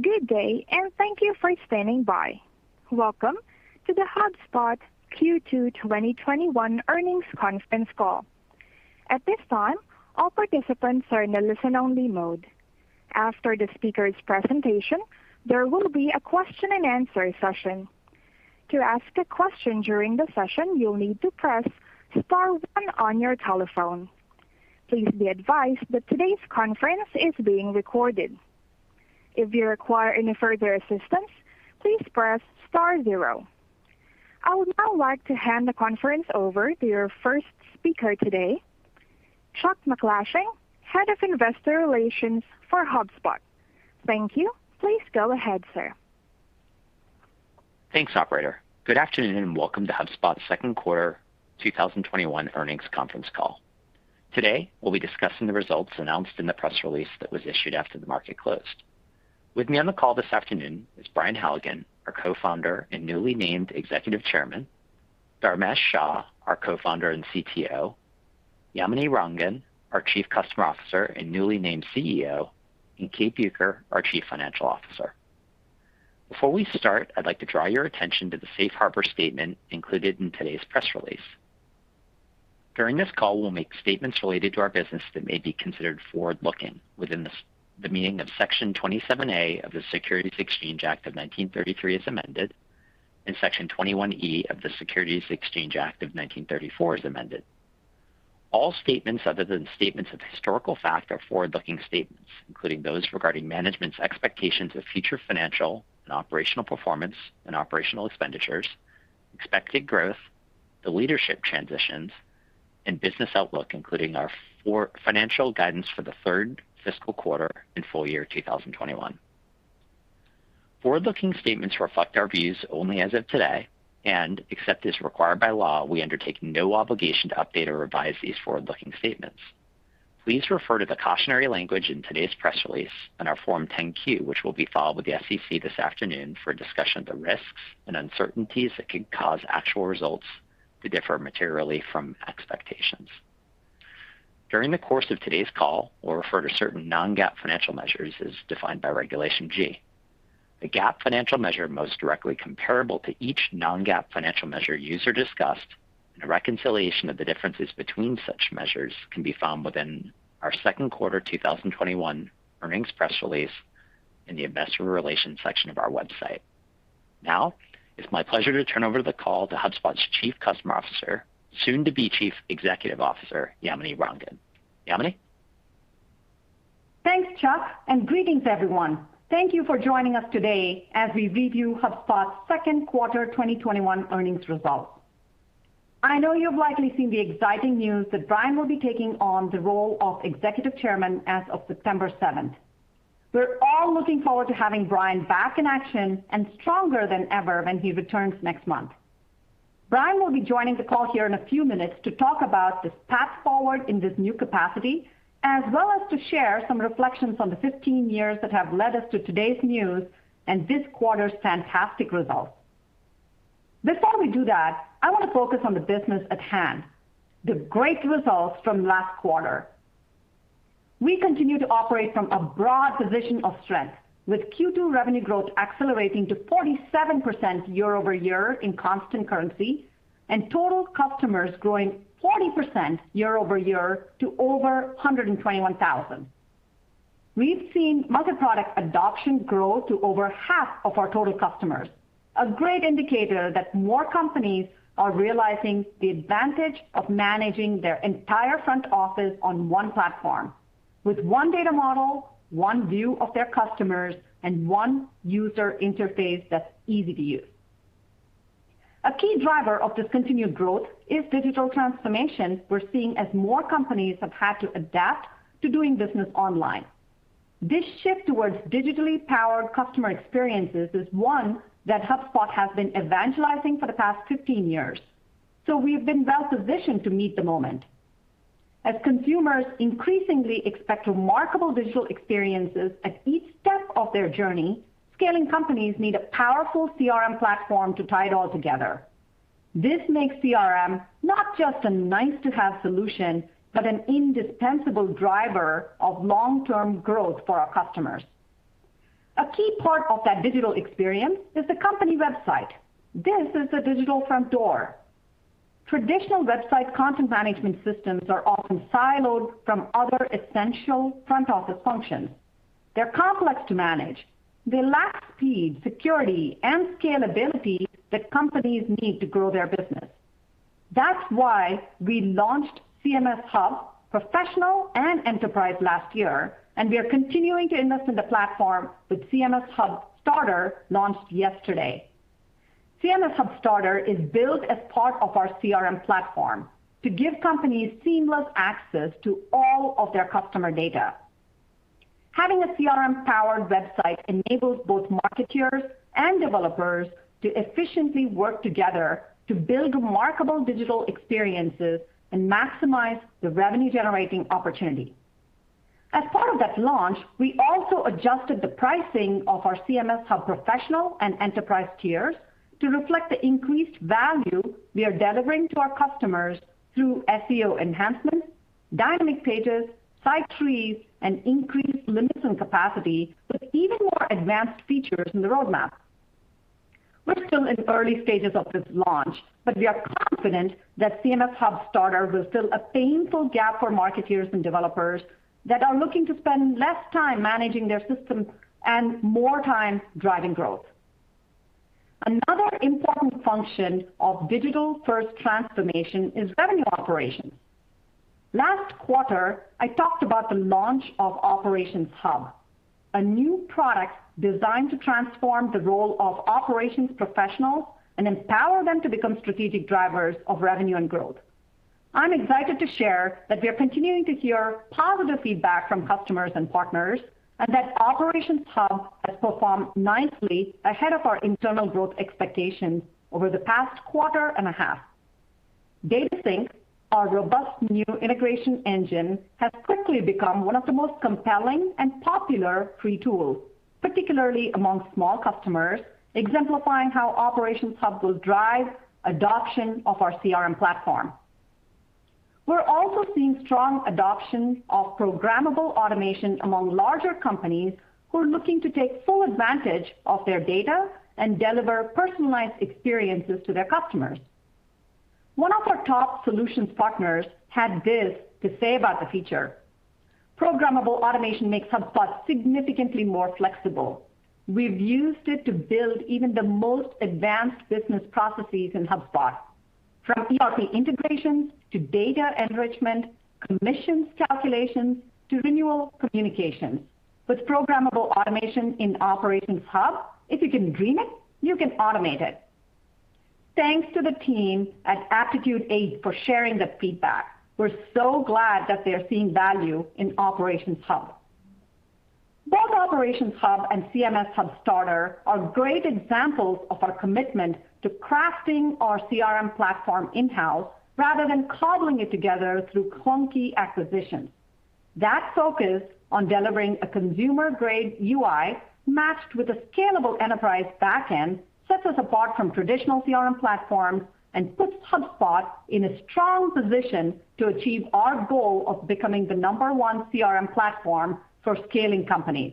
Good day. Thank you for standing by. Welcome to the HubSpot Q2 2021 earnings conference call. At this time, all participants are in a listen-only mode. After the speakers' presentation, there will be a question and answer session. To ask a question during the session, you'll need to press star one on your telephone. Please be advised that today's conference is being recorded. If you require any further assistance, please press star zero. I would now like to hand the conference over to your first speaker today, Chuck MacGlashing, Head of Investor Relations for HubSpot. Thank you. Please go ahead, sir. Thanks, operator. Good afternoon, welcome to HubSpot second quarter 2021 earnings conference call. Today, we'll be discussing the results announced in the press release that was issued after the market closed. With me on the call this afternoon is Brian Halligan, our Co-Founder and newly named Executive Chairman, Dharmesh Shah, our Co-Founder and CTO, Yamini Rangan, our Chief Customer Officer and newly named CEO, and Kate Bueker, our Chief Financial Officer. Before we start, I'd like to draw your attention to the safe harbor statement included in today's press release. During this call, we'll make statements related to our business that may be considered forward-looking within the meaning of Section 27A of the Securities Exchange Act of 1933 as amended, and Section 21E of the Securities Exchange Act of 1934 as amended. All statements other than statements of historical fact are forward-looking statements, including those regarding management's expectations of future financial and operational performance and operational expenditures, expected growth, the leadership transitions, and business outlook, including our financial guidance for the third fiscal quarter and full year 2021. Forward-looking statements reflect our views only as of today, and except as required by law, we undertake no obligation to update or revise these forward-looking statements. Please refer to the cautionary language in today's press release and our Form 10-Q, which will be filed with the SEC this afternoon for a discussion of the risks and uncertainties that could cause actual results to differ materially from expectations. During the course of today's call, we'll refer to certain non-GAAP financial measures as defined by Regulation G. The GAAP financial measure most directly comparable to each non-GAAP financial measure used or discussed, and a reconciliation of the differences between such measures can be found within our second quarter 2021 earnings press release in the investor relations section of our website. Now, it's my pleasure to turn over the call to HubSpot's Chief Customer Officer, soon to be Chief Executive Officer, Yamini Rangan. Yamini? Thanks, Chuck, and greetings, everyone. Thank you for joining us today as we review HubSpot's second quarter 2021 earnings results. I know you've likely seen the exciting news that Brian will be taking on the role of executive chairman as of September 7th. We're all looking forward to having Brian back in action and stronger than ever when he returns next month. Brian will be joining the call here in a few minutes to talk about this path forward in this new capacity, as well as to share some reflections on the 15 years that have led us to today's news and this quarter's fantastic results. Before we do that, I want to focus on the business at hand, the great results from last quarter. We continue to operate from a broad position of strength with Q2 revenue growth accelerating to 47% year-over-year in constant currency and total customers growing 40% year-over-year to over 121,000. We've seen multi-product adoption grow to over half of our total customers, a great indicator that more companies are realizing the advantage of managing their entire front office on one platform with one data model, one view of their customers, and one user interface that's easy to use. A key driver of this continued growth is digital transformation we're seeing as more companies have had to adapt to doing business online. This shift towards digitally powered customer experiences is one that HubSpot has been evangelizing for the past 15 years. We've been well-positioned to meet the moment. As consumers increasingly expect remarkable digital experiences at each step of their journey, scaling companies need a powerful CRM platform to tie it all together. This makes CRM not just a nice-to-have solution, but an indispensable driver of long-term growth for our customers. A key part of that digital experience is the company website. This is the digital front door. Traditional website content management systems are often siloed from other essential front-office functions. They're complex to manage. They lack speed, security, and scalability that companies need to grow their business. That's why we launched CMS Hub Professional and Enterprise last year, and we are continuing to invest in the platform with CMS Hub Starter launched yesterday. CMS Hub Starter is built as part of our CRM platform to give companies seamless access to all of their customer data. Having a CRM-powered website enables both marketers and developers to efficiently work together to build remarkable digital experiences and maximize the revenue-generating opportunity. As part of that launch, we also adjusted the pricing of our CMS Hub Professional and Enterprise tiers to reflect the increased value we are delivering to our customers through SEO enhancements, Dynamic pages, site trees, and increased limits and capacity with even more advanced features in the roadmap. We're still in early stages of this launch, but we are confident that CMS Hub Starter will fill a painful gap for marketers and developers that are looking to spend less time managing their systems and more time driving growth. Another important function of digital-first transformation is revenue operations. Last quarter, I talked about the launch of Operations Hub, a new product designed to transform the role of operations professionals and empower them to become strategic drivers of revenue and growth. I'm excited to share that we are continuing to hear positive feedback from customers and partners, and that Operations Hub has performed nicely ahead of our internal growth expectations over the past quarter and a half. Data Sync, our robust new integration engine, has quickly become one of the most compelling and popular free tools, particularly among small customers, exemplifying how Operations Hub will drive adoption of our CRM platform. We're also seeing strong adoption of programmable automation among larger companies who are looking to take full advantage of their data and deliver personalized experiences to their customers. One of our top solutions partners had this to say about the feature. "Programmable automation makes HubSpot significantly more flexible. We've used it to build even the most advanced business processes in HubSpot, from ERP integrations to data enrichment, commissions calculations to renewal communications. With programmable automation in Operations Hub, if you can dream it, you can automate it. Thanks to the team at Aptitude 8 for sharing that feedback. We're so glad that they're seeing value in Operations Hub. Both Operations Hub and CMS Hub Starter are great examples of our commitment to crafting our CRM platform in-house rather than cobbling it together through clunky acquisitions. That focus on delivering a consumer-grade UI matched with a scalable enterprise backend sets us apart from traditional CRM platforms and puts HubSpot in a strong position to achieve our goal of becoming the number one CRM platform for scaling companies.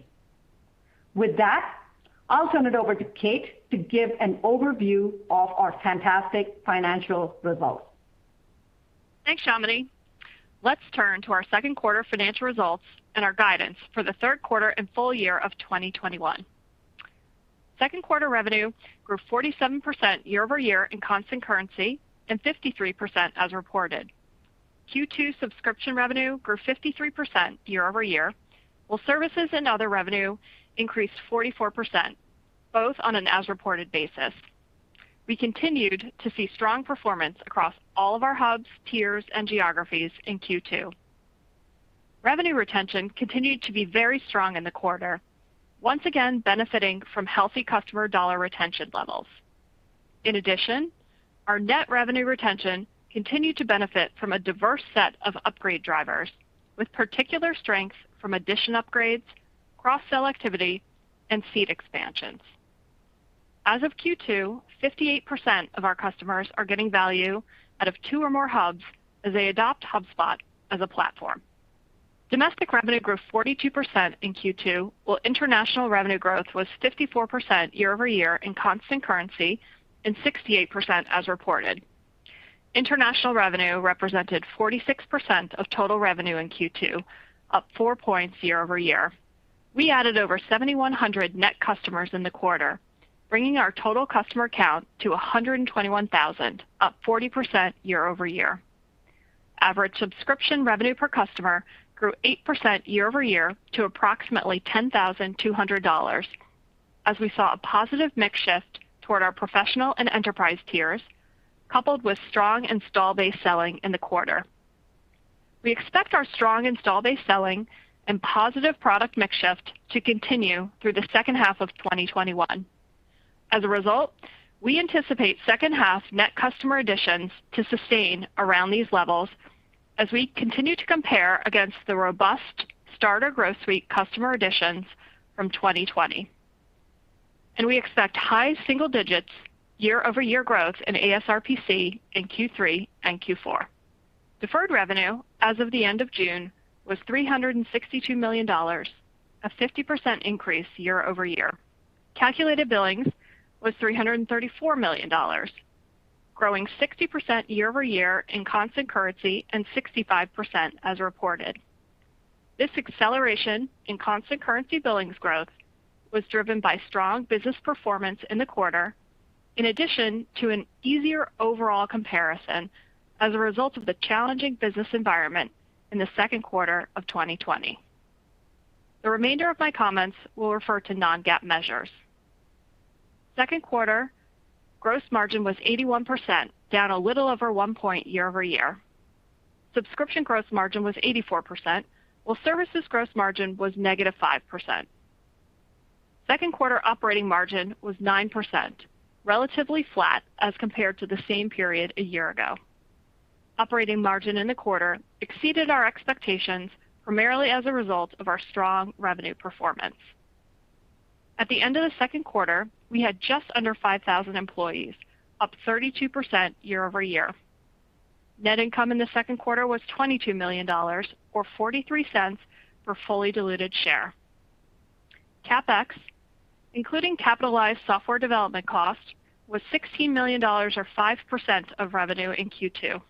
With that, I'll turn it over to Kate to give an overview of our fantastic financial results. Thanks, Yamini. Let's turn to our second quarter financial results and our guidance for the third quarter and full year of 2021. Second quarter revenue grew 47% year-over-year in constant currency and 53% as reported. Q2 subscription revenue grew 53% year-over-year, while services and other revenue increased 44%, both on an as-reported basis. We continued to see strong performance across all of our hubs, tiers, and geographies in Q2. Revenue retention continued to be very strong in the quarter, once again benefiting from healthy customer dollar retention levels. In addition, our net revenue retention continued to benefit from a diverse set of upgrade drivers, with particular strength from edition upgrades, cross-sell activity, and seat expansions. As of Q2, 58% of our customers are getting value out of two or more hubs as they adopt HubSpot as a platform. Domestic revenue grew 42% in Q2, while international revenue growth was 54% year-over-year in constant currency and 68% as reported. International revenue represented 46% of total revenue in Q2, up four points year-over-year. We added over 7,100 net customers in the quarter, bringing our total customer count to 121,000, up 40% year-over-year. Average subscription revenue per customer grew 8% year-over-year to approximately $10,200, as we saw a positive mix shift toward our Professional and Enterprise tiers, coupled with strong install base selling in the quarter. We expect our strong install base selling and positive product mix shift to continue through the second half of 2021. As a result, we anticipate second half net customer additions to sustain around these levels as we continue to compare against the robust Starter Growth Suite customer additions from 2020. We expect high single digits year-over-year growth in ASRPC in Q3 and Q4. Deferred revenue as of the end of June was $362 million, a 50% increase year-over-year. Calculated billings was $334 million, growing 60% year-over-year in constant currency and 65% as reported. This acceleration in constant currency billings growth was driven by strong business performance in the quarter, in addition to an easier overall comparison as a result of the challenging business environment in the second quarter of 2020. The remainder of my comments will refer to non-GAAP measures. Second quarter gross margin was 81%, down a little over 1 point year-over-year. Subscription gross margin was 84%, while services gross margin was negative 5%. Second quarter operating margin was 9%, relatively flat as compared to the same period a year ago. Operating margin in the quarter exceeded our expectations, primarily as a result of our strong revenue performance. At the end of the second quarter, we had just under 5,000 employees, up 32% year-over-year. Net income in the second quarter was $22 million, or $0.43 for fully diluted share. CapEx, including capitalized software development cost, was $16 million, or 5% of revenue in Q2.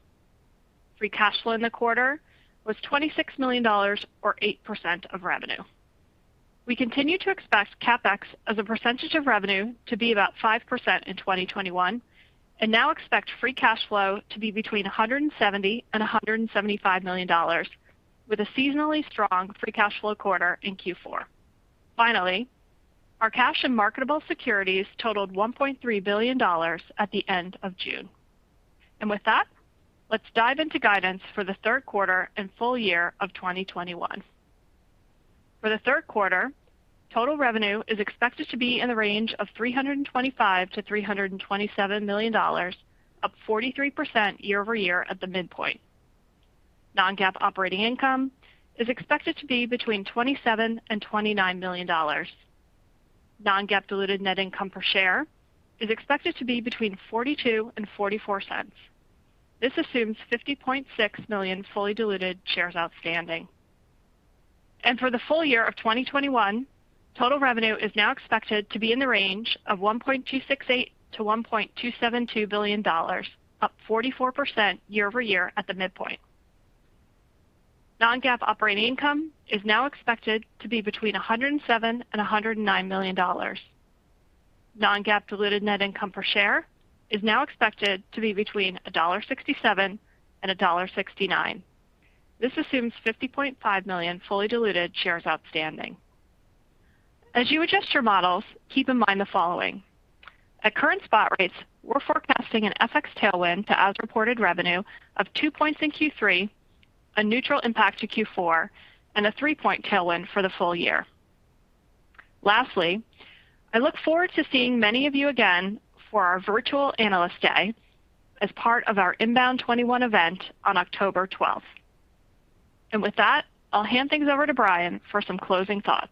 Free cash flow in the quarter was $26 million, or 8% of revenue. We continue to expect CapEx as a percentage of revenue to be about 5% in 2021, and now expect free cash flow to be between $170 million and $175 million, with a seasonally strong free cash flow quarter in Q4. Finally, our cash and marketable securities totaled $1.3 billion at the end of June. With that, let's dive into guidance for the third quarter and full year of 2021. For the third quarter, total revenue is expected to be in the range of $325 million-$327 million, up 43% year-over-year at the midpoint. Non-GAAP operating income is expected to be between $27 million and $29 million. Non-GAAP diluted net income per share is expected to be between $0.42 and $0.44. This assumes 50.6 million fully diluted shares outstanding. For the full year of 2021, total revenue is now expected to be in the range of $1.268 billion-$1.272 billion, up 44% year-over-year at the midpoint. Non-GAAP operating income is now expected to be between $107 million and $109 million. Non-GAAP diluted net income per share is now expected to be between $1.67 and $1.69. This assumes 50.5 million fully diluted shares outstanding. As you adjust your models, keep in mind the following. At current spot rates, we're forecasting an FX tailwind to as-reported revenue of 2 points in Q3, a neutral impact to Q4, and a 3-point tailwind for the full year. Lastly, I look forward to seeing many of you again for our virtual Analyst Day as part of our INBOUND'21 event on October 12th. With that, I'll hand things over to Brian for some closing thoughts.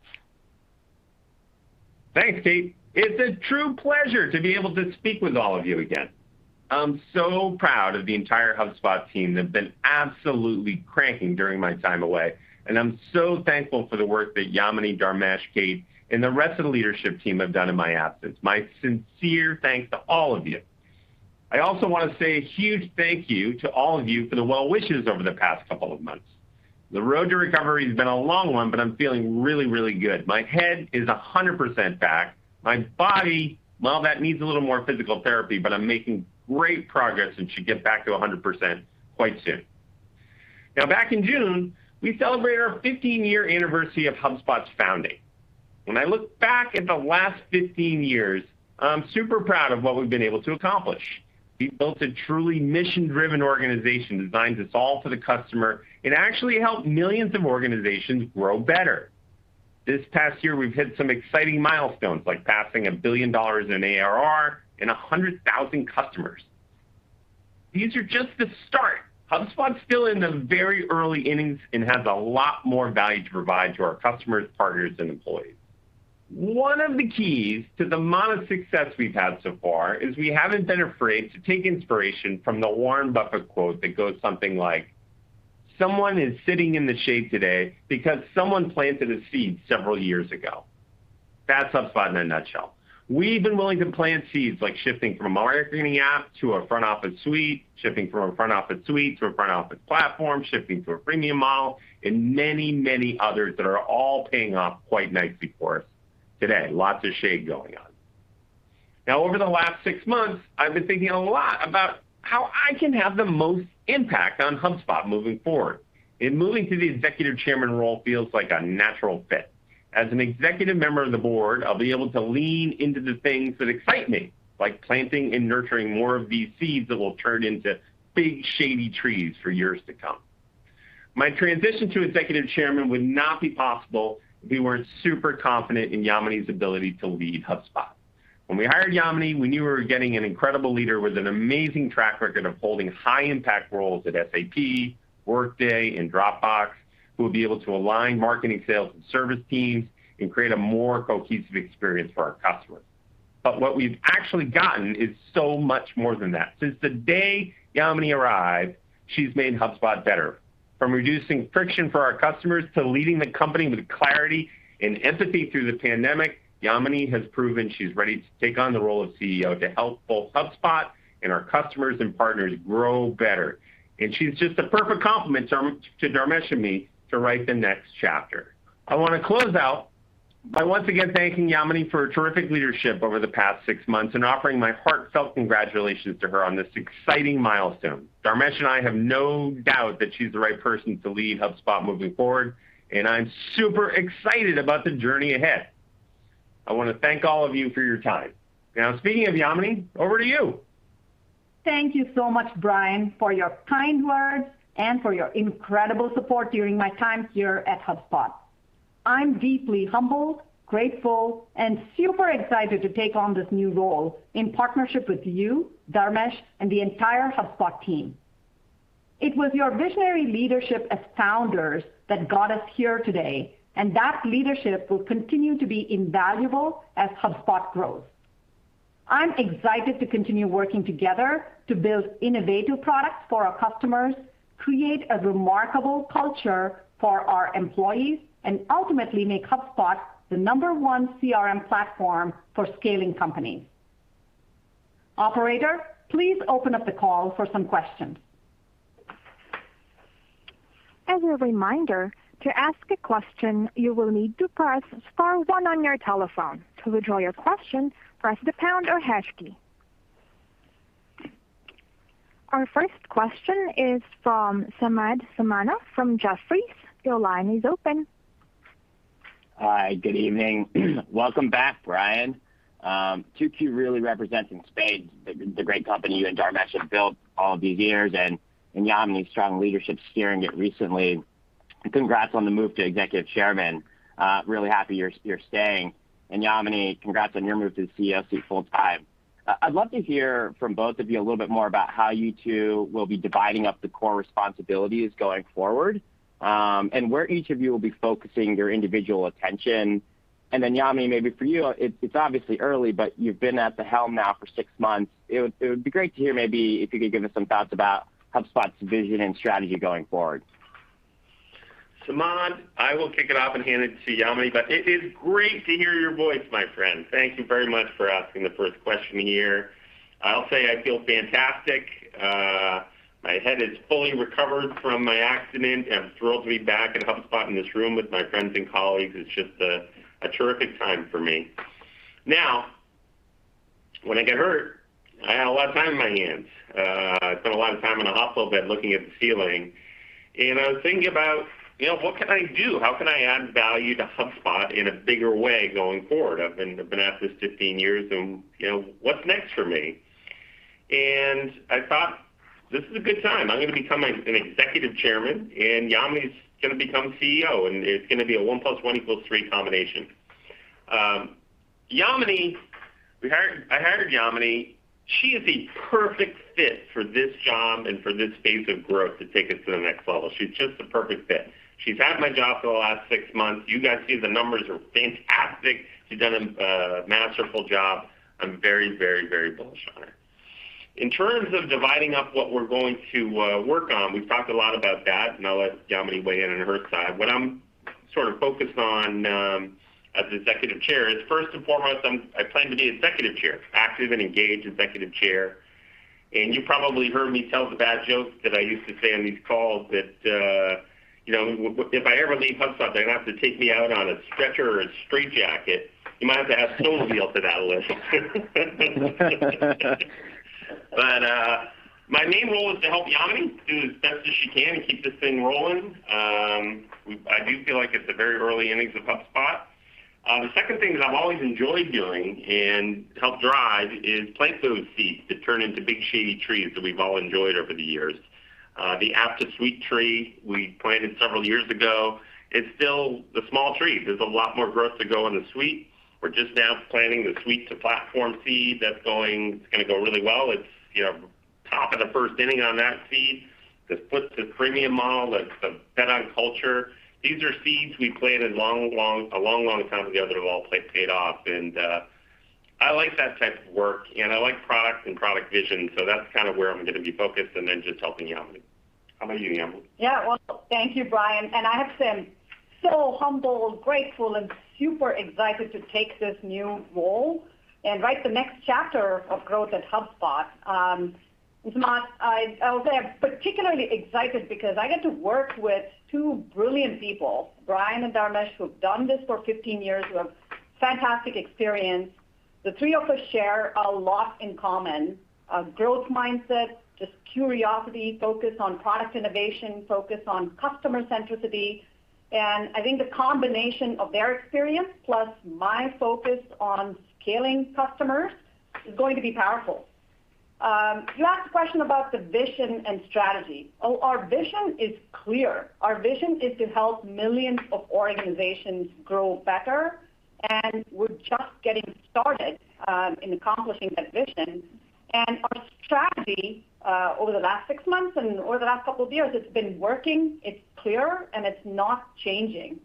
Thanks, Kate. It's a true pleasure to be able to speak with all of you again. I'm so proud of the entire HubSpot team. They've been absolutely cranking during my time away, and I'm so thankful for the work that Yamini, Dharmesh, Kate, and the rest of the leadership team have done in my absence. My sincere thanks to all of you. I also want to say a huge thank you to all of you for the well wishes over the past couple of months. The road to recovery has been a long one, but I'm feeling really, really good. My head is 100% back. My body, well, that needs a little more physical therapy, but I'm making great progress and should get back to 100% quite soon. Back in June, we celebrated our 15-year anniversary of HubSpot's founding. When I look back at the last 15 years, I'm super proud of what we've been able to accomplish. We built a truly mission-driven organization designed to solve for the customer and actually help millions of organizations grow better. This past year, we've hit some exciting milestones, like passing $1 billion in ARR and 100,000 customers. These are just the start. HubSpot's still in the very early innings and has a lot more value to provide to our customers, partners, and employees. One of the keys to the amount of success we've had so far is we haven't been afraid to take inspiration from the Warren Buffett quote that goes something like, "Someone is sitting in the shade today because someone planted a seed several years ago." That's HubSpot in a nutshell. We've been willing to plant seeds, like shifting from a marketing app to a front office suite, shifting from a front office suite to a front office platform, shifting to a freemium model, and many, many others that are all paying off quite nicely for us today. Lots of shade going on. Over the last six months, I've been thinking a lot about how I can have the most impact on HubSpot moving forward, and moving to the Executive Chairman role feels like a natural fit. As an executive member of the board, I'll be able to lean into the things that excite me, like planting and nurturing more of these seeds that will turn into big, shady trees for years to come. My transition to Executive Chairman would not be possible if we weren't super confident in Yamini's ability to lead HubSpot. When we hired Yamini, we knew we were getting an incredible leader with an amazing track record of holding high-impact roles at SAP, Workday, and Dropbox, who will be able to align marketing, sales, and service teams and create a more cohesive experience for our customers. What we've actually gotten is so much more than that. Since the day Yamini arrived, she's made HubSpot better. From reducing friction for our customers to leading the company with clarity and empathy through the pandemic, Yamini has proven she's ready to take on the role of CEO to help both HubSpot and our customers and partners grow better. She's just the perfect complement to Dharmesh and me to write the next chapter. I want to close out by once again thanking Yamini for her terrific leadership over the past six months and offering my heartfelt congratulations to her on this exciting milestone. Dharmesh and I have no doubt that she's the right person to lead HubSpot moving forward. I'm super excited about the journey ahead. I want to thank all of you for your time. Speaking of Yamini, over to you. Thank you so much, Brian, for your kind words and for your incredible support during my time here at HubSpot. I'm deeply humbled, grateful, and super excited to take on this new role in partnership with you, Dharmesh, and the entire HubSpot team. It was your visionary leadership as founders that got us here today, and that leadership will continue to be invaluable as HubSpot grows. I'm excited to continue working together to build innovative products for our customers, create a remarkable culture for our employees, and ultimately make HubSpot the number 1 CRM platform for scaling companies. Operator, please open up the call for some questions. As a reminder, to ask a question, you will need to press star one on your telephone. To withdraw your question, press the pound or hash key. Our first question is from Samad Samana from Jefferies. Your line is open. Hi, good evening. Welcome back, Brian. Q2 really represents in spades the great company you and Dharmesh have built all these years, and Yamini's strong leadership steering it recently. Congrats on the move to Executive Chairman. Really happy you're staying. Yamini, congrats on your move to the CEO seat full time. I'd love to hear from both of you a little bit more about how you two will be dividing up the core responsibilities going forward, and where each of you will be focusing your individual attention. Yamini, maybe for you, it's obviously early, but you've been at the helm now for six months. It would be great to hear maybe if you could give us some thoughts about HubSpot's vision and strategy going forward. Samad, I will kick it off and hand it to Yamini, It is great to hear your voice, my friend. Thank you very much for asking the first question here. I'll say I feel fantastic. My head is fully recovered from my accident. I'm thrilled to be back at HubSpot in this room with my friends and colleagues. It's just a terrific time for me. Now, when I got hurt, I had a lot of time on my hands. I spent a lot of time in the hospital bed looking at the ceiling, I was thinking about what can I do? How can I add value to HubSpot in a bigger way going forward? I've been at this 15 years, What's next for me? I thought, this is a good time. I am going to become an Executive Chairman, and Yamini is going to become CEO, and it's going to be a 1+1 equals 3 combination. Yamini, I hired Yamini. She is the perfect fit for this job and for this phase of growth to take us to the next level. She is just the perfect fit. She has had my job for the last six months. You guys see the numbers are fantastic. She has done a masterful job. I am very, very, very bullish on her. In terms of dividing up what we are going to work on, we have talked a lot about that, and I will let Yamini weigh in on her side. What I am sort of focused on as Executive Chair is, first and foremost, I plan to be an Executive Chair, active and engaged Executive Chair. You probably heard me tell the bad jokes that I used to say on these calls that if I ever leave HubSpot, they're going to have to take me out on a stretcher or a straitjacket. You might have to add SoulCycle to that list. My main role is to help Yamini do as best as she can and keep this thing rolling. I do feel like it's the very early innings of HubSpot. The second thing that I've always enjoyed doing and helped drive is plant those seeds that turn into big shady trees that we've all enjoyed over the years. The app-to-suite tree we planted several years ago, it's still a small tree. There's a lot more growth to go in the suite. We're just now planting the suite-to-platform seed that's going to go really well. It's top of the first inning on that seed. The Plus to Premium model that's been done on culture. These are seeds we planted a long, long time ago that have all paid off, and I like that type of work, and I like product and product vision, so that's kind of where I'm going to be focused, and then just helping Yamini. How about you, Yamini? Yeah. Well, thank you, Brian. I have been so humbled, grateful, and super excited to take this new role and write the next chapter of growth at HubSpot. Samad, I will say I'm particularly excited because I get to work with two brilliant people, Brian and Dharmesh, who have done this for 15 years, who have fantastic experience. The three of us share a lot in common, a growth mindset, just curiosity, focus on product innovation, focus on customer centricity, and I think the combination of their experience plus my focus on scaling customers is going to be powerful. You asked a question about the vision and strategy. Our vision is clear. Our vision is to help millions of organizations grow better, and we're just getting started in accomplishing that vision. Our strategy over the last six months and over the last couple of years, it's been working, it's clear, and it's not changing.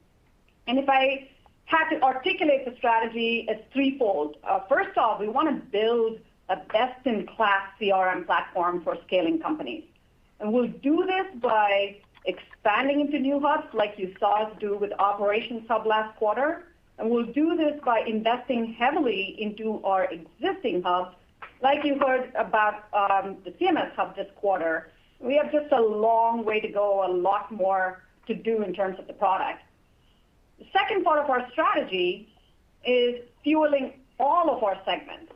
If I had to articulate the strategy, it's threefold. First off, we want to build a best-in-class CRM platform for scaling companies. We'll do this by expanding into new hubs like you saw us do with Operations Hub last quarter, and we'll do this by investing heavily into our existing hubs like you heard about the CMS Hub this quarter. We have just a long way to go, a lot more to do in terms of the product. The second part of our strategy is fueling all of our segments.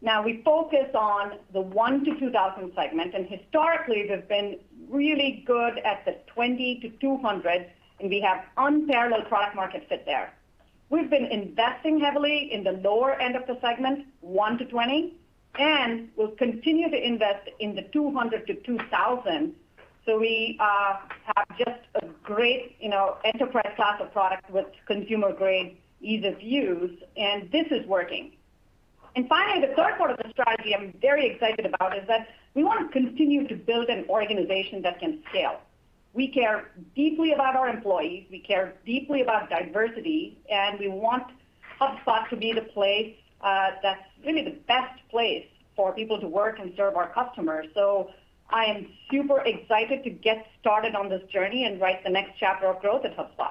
Now, we focus on the 1 to 2,000 segment, and historically, we've been really good at the 20 to 200, and we have unparalleled product market fit there. We've been investing heavily in the lower end of the segment, 1-20, and we'll continue to invest in the 200-2,000. We have just a great enterprise class of product with consumer-grade ease of use, and this is working. Finally, the third part of the strategy I'm very excited about is that we want to continue to build an organization that can scale. We care deeply about our employees, we care deeply about diversity, and we want HubSpot to be really the best place for people to work and serve our customers. I am super excited to get started on this journey and write the next chapter of growth at HubSpot.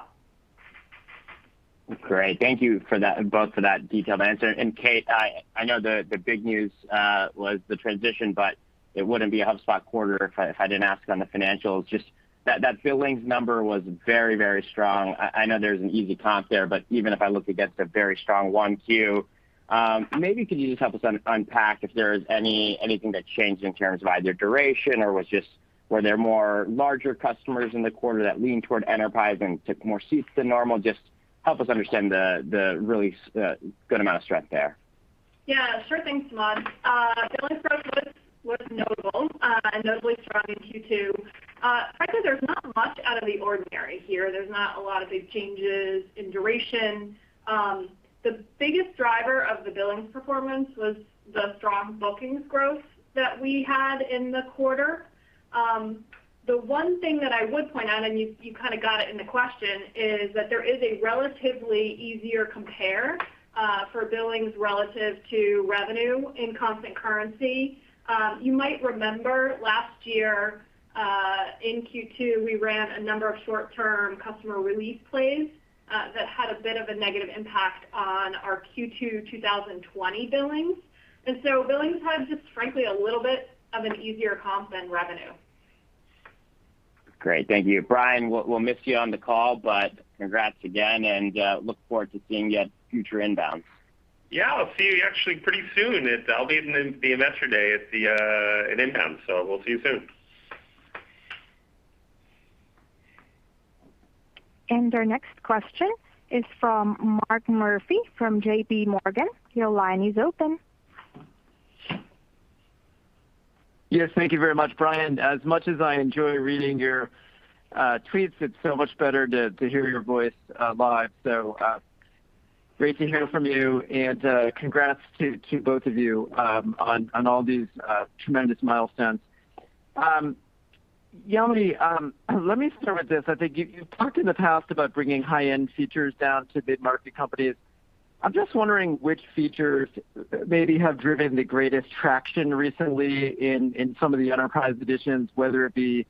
Great. Thank you both for that detailed answer. Kate, I know the big news was the transition, but it wouldn't be a HubSpot quarter if I didn't ask on the financials. Just that billings number was very strong. I know there's an easy comp there, but even if I look against a very strong 1Q, maybe could you just help us unpack if there is anything that changed in terms of either duration or were there more larger customers in the quarter that leaned toward Enterprise and took more seats than normal? Just help us understand the really good amount of strength there. Yeah, sure thing, Samad. Billings growth was notable and notably strong in Q2. Frankly, there's not much out of the ordinary here. There's not a lot of big changes in duration. The biggest driver of the billings performance was the strong bookings growth that we had in the quarter. The one thing that I would point out, and you kind of got it in the question, is that there is a relatively easier compare for billings relative to revenue in constant currency. You might remember last year, in Q2, we ran a number of short-term customer release plays that had a bit of a negative impact on our Q2 2020 billings. Billings had just frankly, a little bit of an easier comp than revenue. Great. Thank you. Brian, we'll miss you on the call, but congrats again and look forward to seeing you at future INBOUNDs. Yeah, I'll see you actually pretty soon. I'll be in the investor day at INBOUND, so we'll see you soon. Our next question is from Mark Murphy from JPMorgan. Your line is open. Yes, thank you very much. Brian, as much as I enjoy reading your tweets, it's so much better to hear your voice live. Great to hear from you. Congrats to both of you on all these tremendous milestones. Yamini, let me start with this. I think you've talked in the past about bringing high-end features down to mid-market companies. I'm just wondering which features maybe have driven the greatest traction recently in some of the enterprise editions, whether it be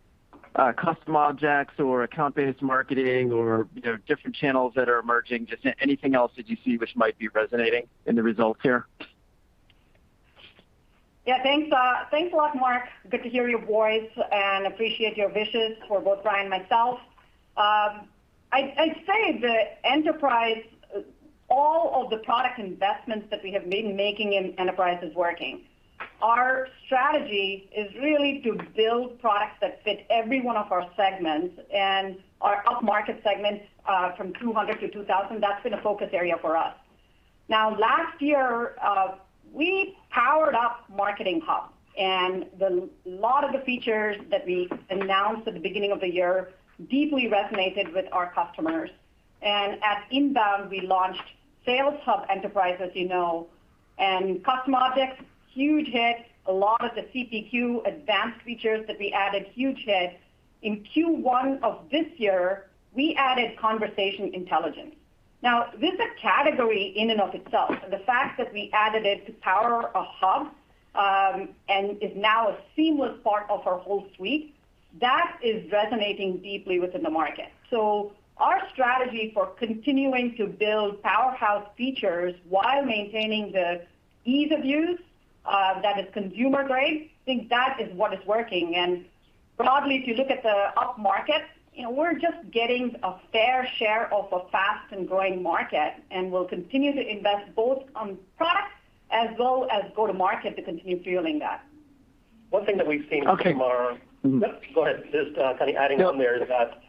custom objects or account-based marketing or different channels that are emerging. Just anything else that you see which might be resonating in the results here. Yeah, thanks a lot, Mark. Good to hear your voice and appreciate your wishes for both Brian and myself. I'd say the enterprise, all of the product investments that we have been making in enterprise is working. Our strategy is really to build products that fit every one of our segments and our upmarket segments, from 200 to 2,000, that's been a focus area for us. A lot of the features that we announced at the beginning of the year deeply resonated with our customers. At INBOUND, we launched Sales Hub Enterprise, as you know. Custom objects, huge hit. A lot of the CPQ advanced features that we added, huge hit. In Q1 of this year, we added Conversation Intelligence. Now, this is a category in and of itself. The fact that we added it to power a hub, and is now a seamless part of our whole suite, that is resonating deeply within the market. Our strategy for continuing to build powerhouse features while maintaining the ease of use that is consumer grade, I think that is what is working. Broadly, if you look at the upmarket, we're just getting a fair share of a fast and growing market, and we'll continue to invest both on products as well as go to market to continue fueling that. One thing that we've seen from Okay. No, go ahead. Just kind of adding on there is that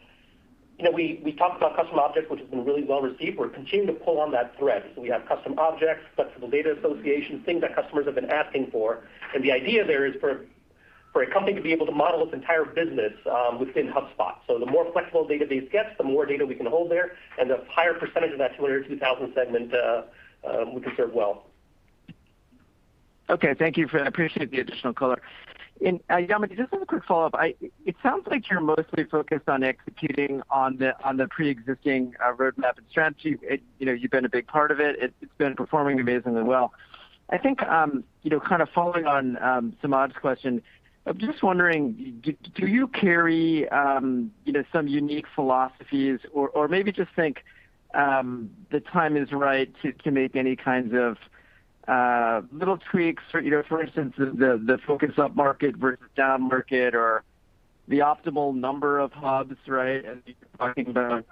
we talked about custom objects, which has been really well received. We are continuing to pull on that thread. We have custom objects, flexible data association, things that customers have been asking for. The idea there is for a company to be able to model its entire business within HubSpot. The more flexible the database gets, the more data we can hold there, and the higher percentage of that 200 or 2,000 segment we can serve well. Okay. Thank you. I appreciate the additional color. Yamini, just as a quick follow-up. It sounds like you're mostly focused on executing on the preexisting roadmap and strategy. You've been a big part of it. It's been performing amazingly well. I think, kind of following on Samad's question, I'm just wondering, do you carry some unique philosophies or maybe just think the time is right to make any kinds of little tweaks? For instance, the focus upmarket versus downmarket or the optimal number of hubs, right, as you're talking about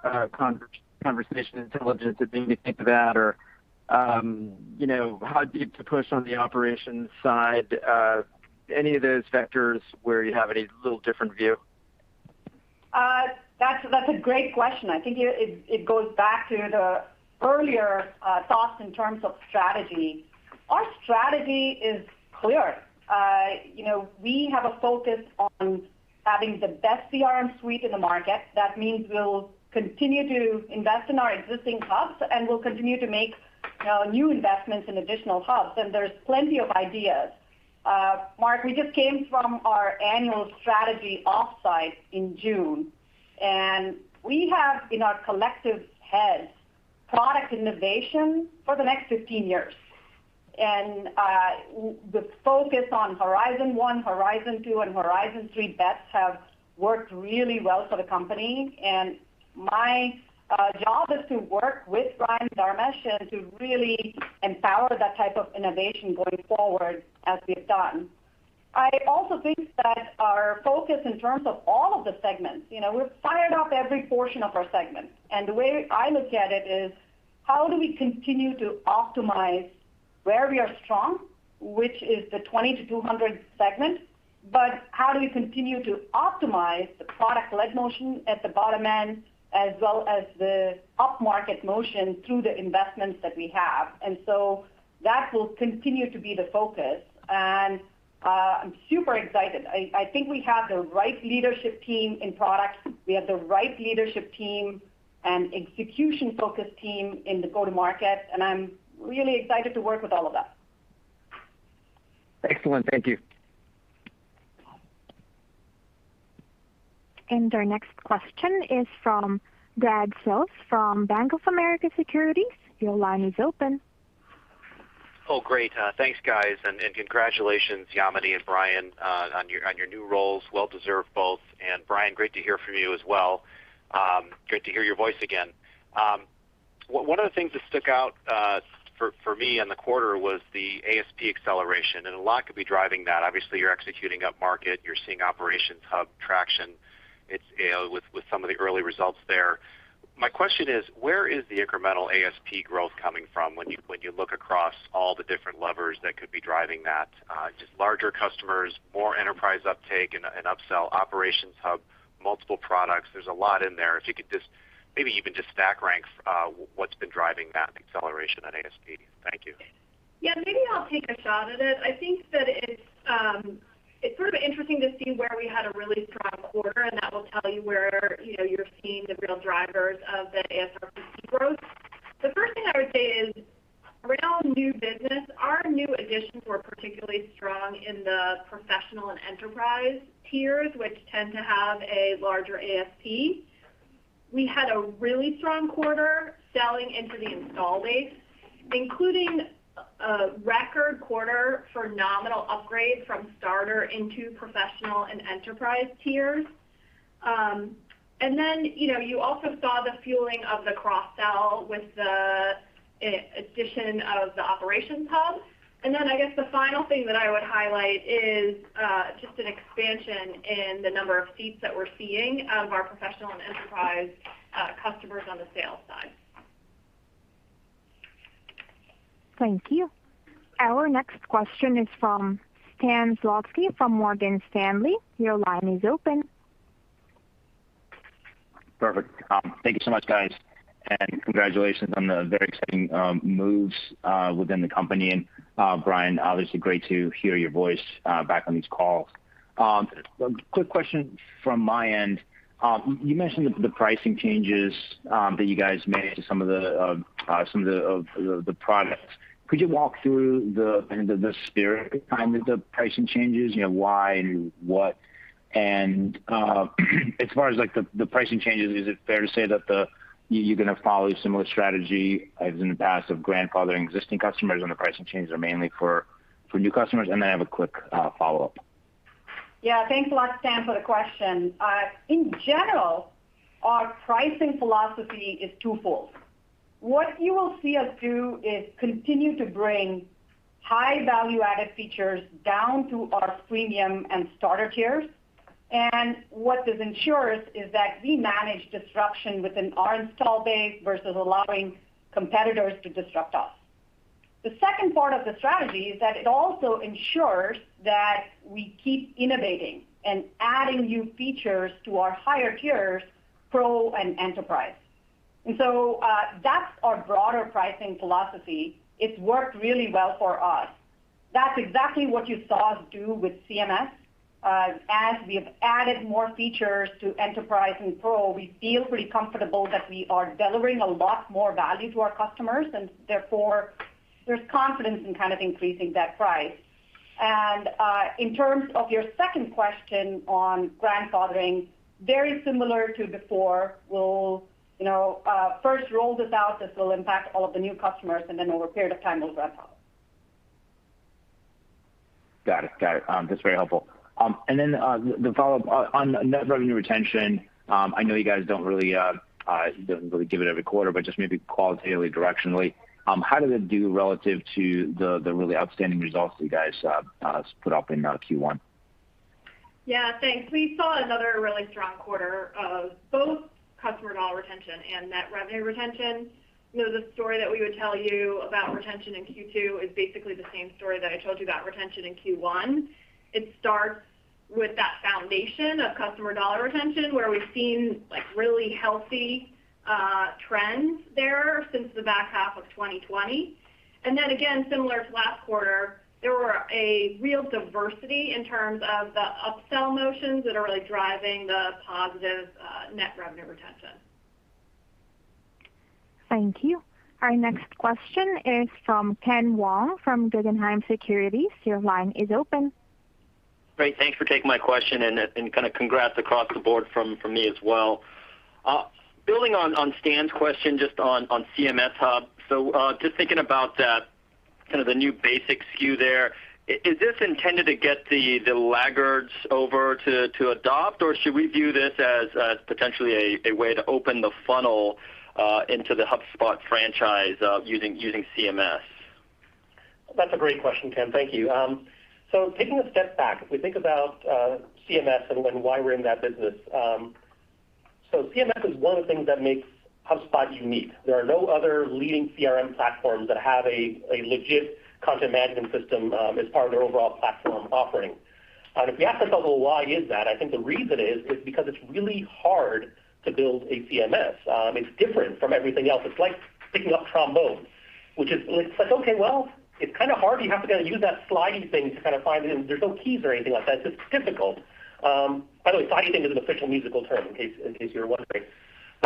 Conversation Intelligence, a thing to think about, or how deep to push on the operations side. Any of those vectors where you have a little different view? That's a great question. I think it goes back to the earlier thoughts in terms of strategy. Our strategy is clear. We have a focus on having the best CRM Suite in the market, that means we'll continue to invest in our existing Hubs, and we'll continue to make new investments in additional Hubs. There's plenty of ideas. Mark, we just came from our annual strategy offsite in June, we have in our collective heads product innovation for the next 15 years. The focus on Horizon 1, Horizon 2, and Horizon 3 bets have worked really well for the company. My job is to work with Brian and Dharmesh to really empower that type of innovation going forward as we've done. I also think that our focus in terms of all of the segments, we've fired up every portion of our segment. The way I look at it is how do we continue to optimize where we are strong, which is the 20-200 segment, but how do we continue to optimize the product-led motion at the bottom end as well as the upmarket motion through the investments that we have? That will continue to be the focus. I'm super excited. I think we have the right leadership team in product. We have the right leadership team and execution-focused team in the go-to-market, and I'm really excited to work with all of them. Excellent. Thank you. Our next question is from Brad Sills from Bank of America Securities. Your line is open. Oh, great. Thanks, guys, and congratulations, Yamini and Brian on your new roles. Well deserved both. Brian, great to hear from you as well. Great to hear your voice again. One of the things that stuck out for me in the quarter was the ASP acceleration, and a lot could be driving that. Obviously, you're executing upmarket. You're seeing Operations Hub traction with some of the early results there. My question is, where is the incremental ASP growth coming from when you look across all the different levers that could be driving that? Just larger customers, more enterprise uptake and upsell, Operations Hub, multiple products. There's a lot in there. If you could just maybe even just stack rank what's been driving that acceleration on ASP. Thank you. Yeah, maybe I'll take a shot at it. I think that it's sort of interesting to see where we had a really strong quarter, and that will tell you where you're seeing the real drivers of the ASP growth. The first thing I would say is around new business, our new additions were particularly strong in the professional and enterprise tiers, which tend to have a larger ASP. We had a really strong quarter selling into the install base, including a record quarter for nominal upgrades from Starter into professional and enterprise tiers. You also saw the fueling of the cross-sell with the addition of the Operations Hub. I guess the final thing that I would highlight is, just an expansion in the number of seats that we're seeing of our professional and enterprise customers on the sales side. Thank you. Our next question is from Stan Zlotsky from Morgan Stanley. Your line is open. Perfect. Thank you so much, guys, congratulations on the very exciting moves within the company. Brian, obviously great to hear your voice back on these calls. Quick question from my end. You mentioned the pricing changes that you guys made to some of the products. Could you walk through the spirit behind the pricing changes? Why and what, as far as the pricing changes, is it fair to say that you're going to follow a similar strategy as in the past of grandfathering existing customers when the pricing changes are mainly for new customers? I have a quick follow-up. Yeah, thanks a lot, Stan, for the question. In general, our pricing philosophy is twofold. What you will see us do is continue to bring high value-added features down to our premium and Starter tiers. What this ensures is that we manage disruption within our install base versus allowing competitors to disrupt us. The second part of the strategy is that it also ensures that we keep innovating and adding new features to our higher tiers, Pro and Enterprise. That's our broader pricing philosophy. It's worked really well for us. That's exactly what you saw us do with CMS. As we have added more features to Enterprise and Pro, we feel pretty comfortable that we are delivering a lot more value to our customers, and therefore there's confidence in kind of increasing that price. In terms of your second question on grandfathering, very similar to before, we'll first roll this out. This will impact all of the new customers, and then over a period of time, we'll ramp up. Got it. That's very helpful. Then, the follow-up on net revenue retention, I know you guys don't really give it every quarter, but just maybe qualitatively, directionally, how did it do relative to the really outstanding results you guys put up in Q1? Yeah. Thanks. We saw another really strong quarter of both customer dollar retention and net revenue retention. The story that we would tell you about retention in Q2 is basically the same story that I told you about retention in Q1. It starts with that foundation of customer dollar retention, where we've seen really healthy trends there since the back half of 2020. Again, similar to last quarter, there was a real diversity in terms of the upsell motions that are really driving the positive net revenue retention. Thank you. Our next question is from Ken Wong from Guggenheim Securities. Your line is open. Great. Thanks for taking my question, and congrats across the board from me as well. Building on Stan's question just on CMS Hub, just thinking about the new basic SKU there, is this intended to get the laggards over to adopt, or should we view this as potentially a way to open the funnel into the HubSpot franchise using CMS? That's a great question, Ken. Thank you. Taking a step back, if we think about CMS and why we're in that business. CMS is one of the things that makes HubSpot unique. There are no other leading CRM platforms that have a legit content management system as part of their overall platform offering. If you ask the follow-up why is that, I think the reason is because it's really hard to build a CMS. It's different from everything else. It's like picking up trombone, which is like, okay, well, it's kind of hard. You have to kind of use that slide-y thing to kind of find it. There's no keys or anything like that. It's difficult. By the way, slide-y thing is an official musical term, in case you were wondering.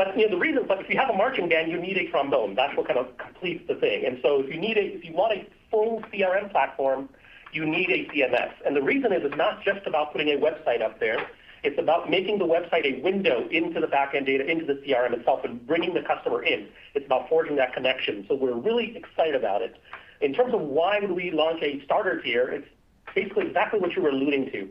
If you have a marching band, you need a trombone. That's what kind of completes the thing. If you want a full CRM platform, you need a CMS. The reason is, it's not just about putting a website up there. It's about making the website a window into the back-end data, into the CRM itself, and bringing the customer in. It's about forging that connection. We're really excited about it. In terms of why we launch a Starter tier, it's basically exactly what you were alluding to.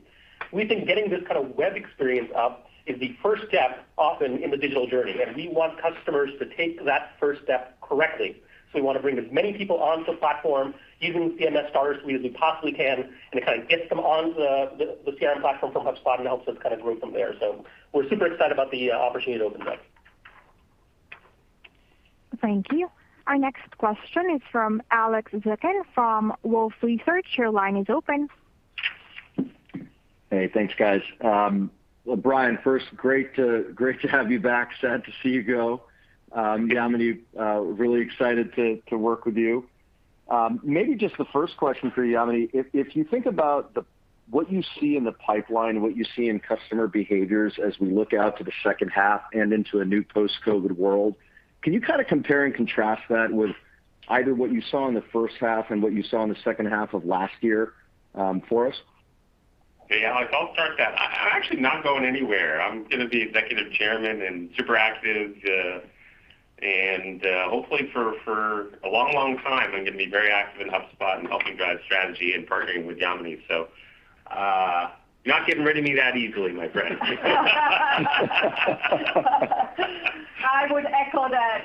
We think getting this kind of web experience up is the first step often in the digital journey, and we want customers to take that first step correctly. We want to bring as many people onto the platform using CMS Starters as we possibly can, and it kind of gets them onto the CRM platform from HubSpot and helps us kind of grow from there. We're super excited about the opportunity to open that. Thank you. Our next question is from Alex Zukin from Wolfe Research. Your line is open. Hey, thanks, guys. Brian, first, great to have you back. Sad to see you go. Yamini, really excited to work with you. Maybe just the first question for Yamini. If you think about what you see in the pipeline and what you see in customer behaviors as we look out to the second half and into a new post-COVID world, can you kind of compare and contrast that with either what you saw in the first half and what you saw in the second half of last year for us? Hey, Alex, I'll start that. I'm actually not going anywhere. I'm going to be executive chairman and super active. Hopefully, for a long time, I'm going to be very active in HubSpot and helping drive strategy and partnering with Yamini. You're not getting rid of me that easily, my friend. I would echo that.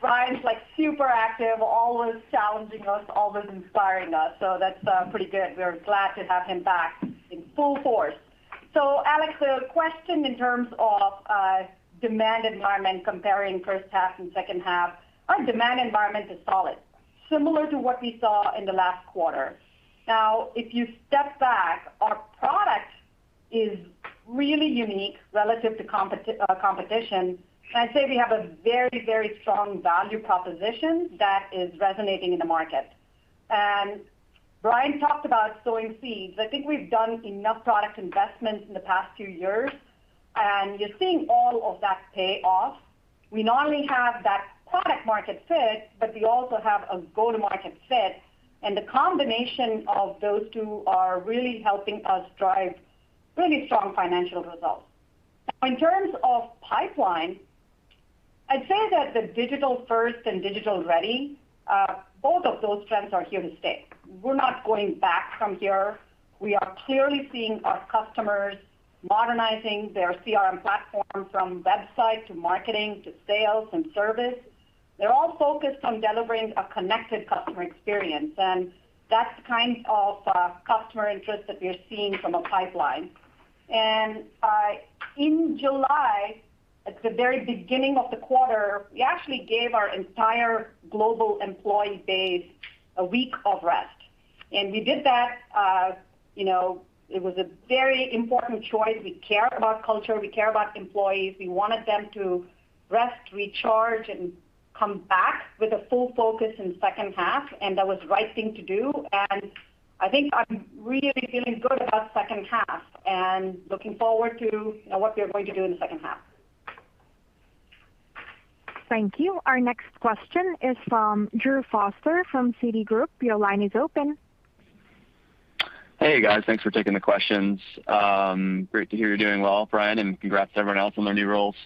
Brian's super active, always challenging us, always inspiring us. That's pretty good. We're glad to have him back in full force. Alex, the question in terms of demand environment comparing first half and second half, our demand environment is solid, similar to what we saw in the last quarter. Now, if you step back, our product is really unique relative to competition, and I'd say we have a very strong value proposition that is resonating in the market. Brian talked about sowing seeds. I think we've done enough product investment in the past few years, and you're seeing all of that pay off. We not only have that product market fit, but we also have a go-to-market fit, and the combination of those two are really helping us drive really strong financial results. Now, in terms of pipeline, I'd say that the digital-first and digital-ready, both of those trends are here to stay. We're not going back from here. We are clearly seeing our customers modernizing their CRM platform from website to marketing to sales and service. They're all focused on delivering a connected customer experience, and that's the kind of customer interest that we're seeing from a pipeline. In July, at the very beginning of the quarter, we actually gave our entire global employee base a week of rest. We did that, it was a very important choice. We care about culture. We care about employees. We wanted them to rest, recharge, and come back with a full focus in the second half, and that was the right thing to do. I think I'm really feeling good about second half and looking forward to what we are going to do in the second half. Thank you. Our next question is from Drew Foster from Citigroup. Your line is open. Hey, guys. Thanks for taking the questions. Great to hear you're doing well, Brian, and congrats to everyone else on their new roles.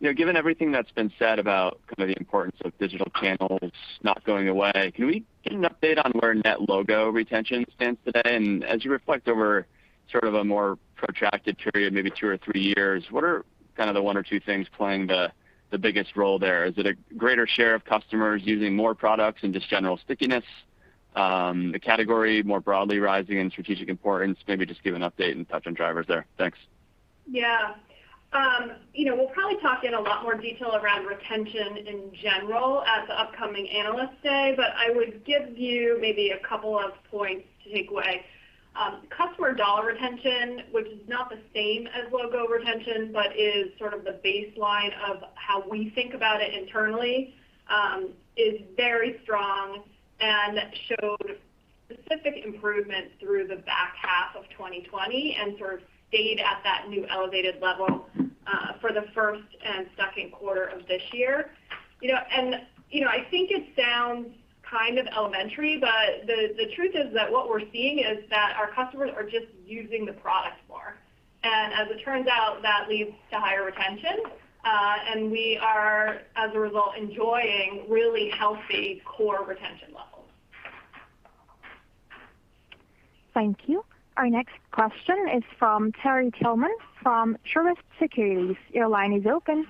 Given everything that's been said about the importance of digital channels not going away, can we get an update on where net revenue retention stands today? As you reflect over sort of a more protracted period, maybe two or three years, what are kind of the one or two things playing the biggest role there? Is it a greater share of customers using more products and just general stickiness? The category more broadly rising in strategic importance? Maybe just give an update and touch on drivers there. Thanks. Yeah. We'll probably talk in a lot more detail around retention in general at the upcoming Analyst Day. I would give you maybe a couple of points to take away. Customer dollar retention, which is not the same as logo retention, but is sort of the baseline of how we think about it internally, is very strong and showed specific improvements through the back half of 2020 and sort of stayed at that new elevated level for the first and second quarter of this year. I think it sounds kind of elementary, but the truth is that what we're seeing is that our customers are just using the product more. As it turns out, that leads to higher retention. We are, as a result, enjoying really healthy core retention levels. Thank you. Our next question is from Terry Tillman from Truist Securities. Your line is open.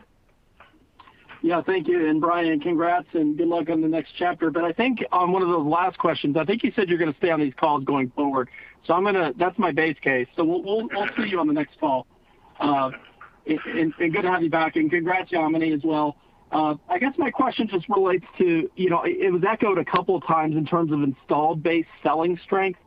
Yeah, thank you. Brian, congrats and good luck on the next chapter. I think on one of those last questions, I think you said you're going to stay on these calls going forward. That's my base case. We'll see you on the next call. Good to have you back, and congrats, Yamini, as well. I guess my question just relates to, it was echoed a couple of times in terms of installed base selling strength.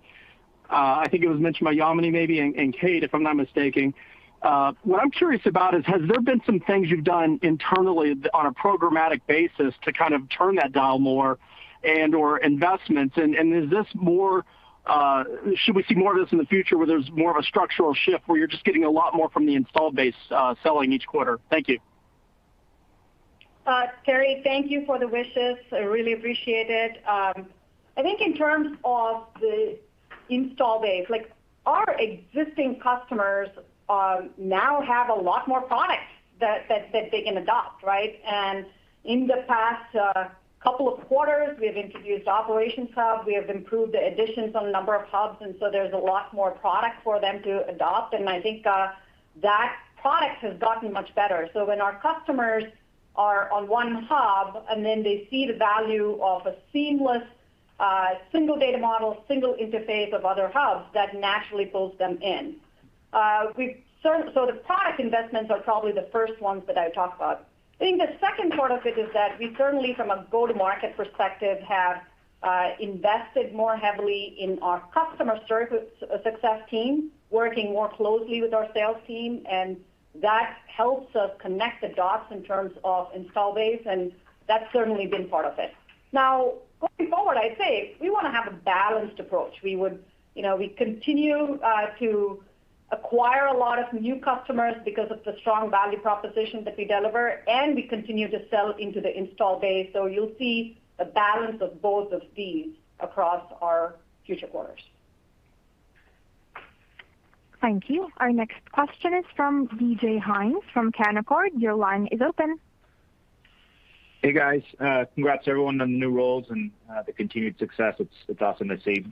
I think it was mentioned by Yamini maybe, and Kate, if I'm not mistaken. What I'm curious about is, has there been some things you've done internally on a programmatic basis to kind of turn that dial more and/or investments? Should we see more of this in the future where there's more of a structural shift where you're just getting a lot more from the installed base selling each quarter? Thank you. Terry, thank you for the wishes. I really appreciate it. I think in terms of the install base, our existing customers now have a lot more products that they can adopt, right? In the past couple of quarters, we have introduced Operations Hub, we have improved the additions on the number of hubs, there's a lot more product for them to adopt. I think that product has gotten much better. When our customers are on one hub, they see the value of a seamless, single data model, single interface of other hubs, that naturally pulls them in. The product investments are probably the first ones that I would talk about. I think the second part of it is that we certainly, from a go-to-market perspective, have invested more heavily in our customer service success team, working more closely with our sales team, and that helps us connect the dots in terms of install base, and that's certainly been part of it. Going forward, I'd say we want to have a balanced approach. We continue to acquire a lot of new customers because of the strong value proposition that we deliver, and we continue to sell into the install base. You'll see a balance of both of these across our future quarters. Thank you. Our next question is from DJ Hynes from Canaccord. Your line is open. Hey, guys. Congrats everyone on the new roles and the continued success. It's awesome to see.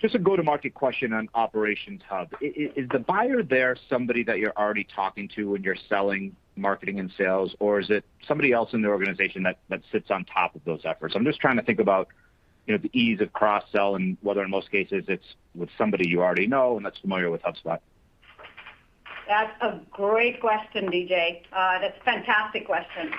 Just a go-to-market question on Operations Hub. Is the buyer there somebody that you're already talking to when you're selling marketing and sales, or is it somebody else in the organization that sits on top of those efforts? I'm just trying to think about the ease of cross-sell and whether, in most cases, it's with somebody you already know and that's familiar with HubSpot. That's a great question, DJ. That's a fantastic question.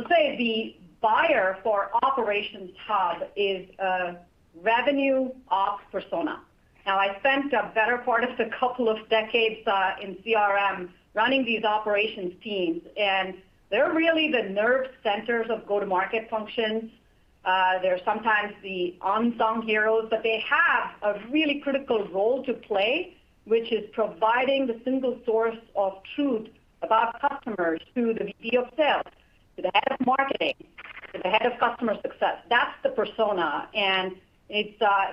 I'll say the buyer for Operations Hub is a revenue ops persona. I spent a better part of a couple of decades in CRM running these operations teams, and they're really the nerve centers of go-to-market functions. They're sometimes the unsung heroes, but they have a really critical role to play, which is providing the single source of truth about customers to the VP of sales, to the head of marketing, to the head of customer success. That's the persona,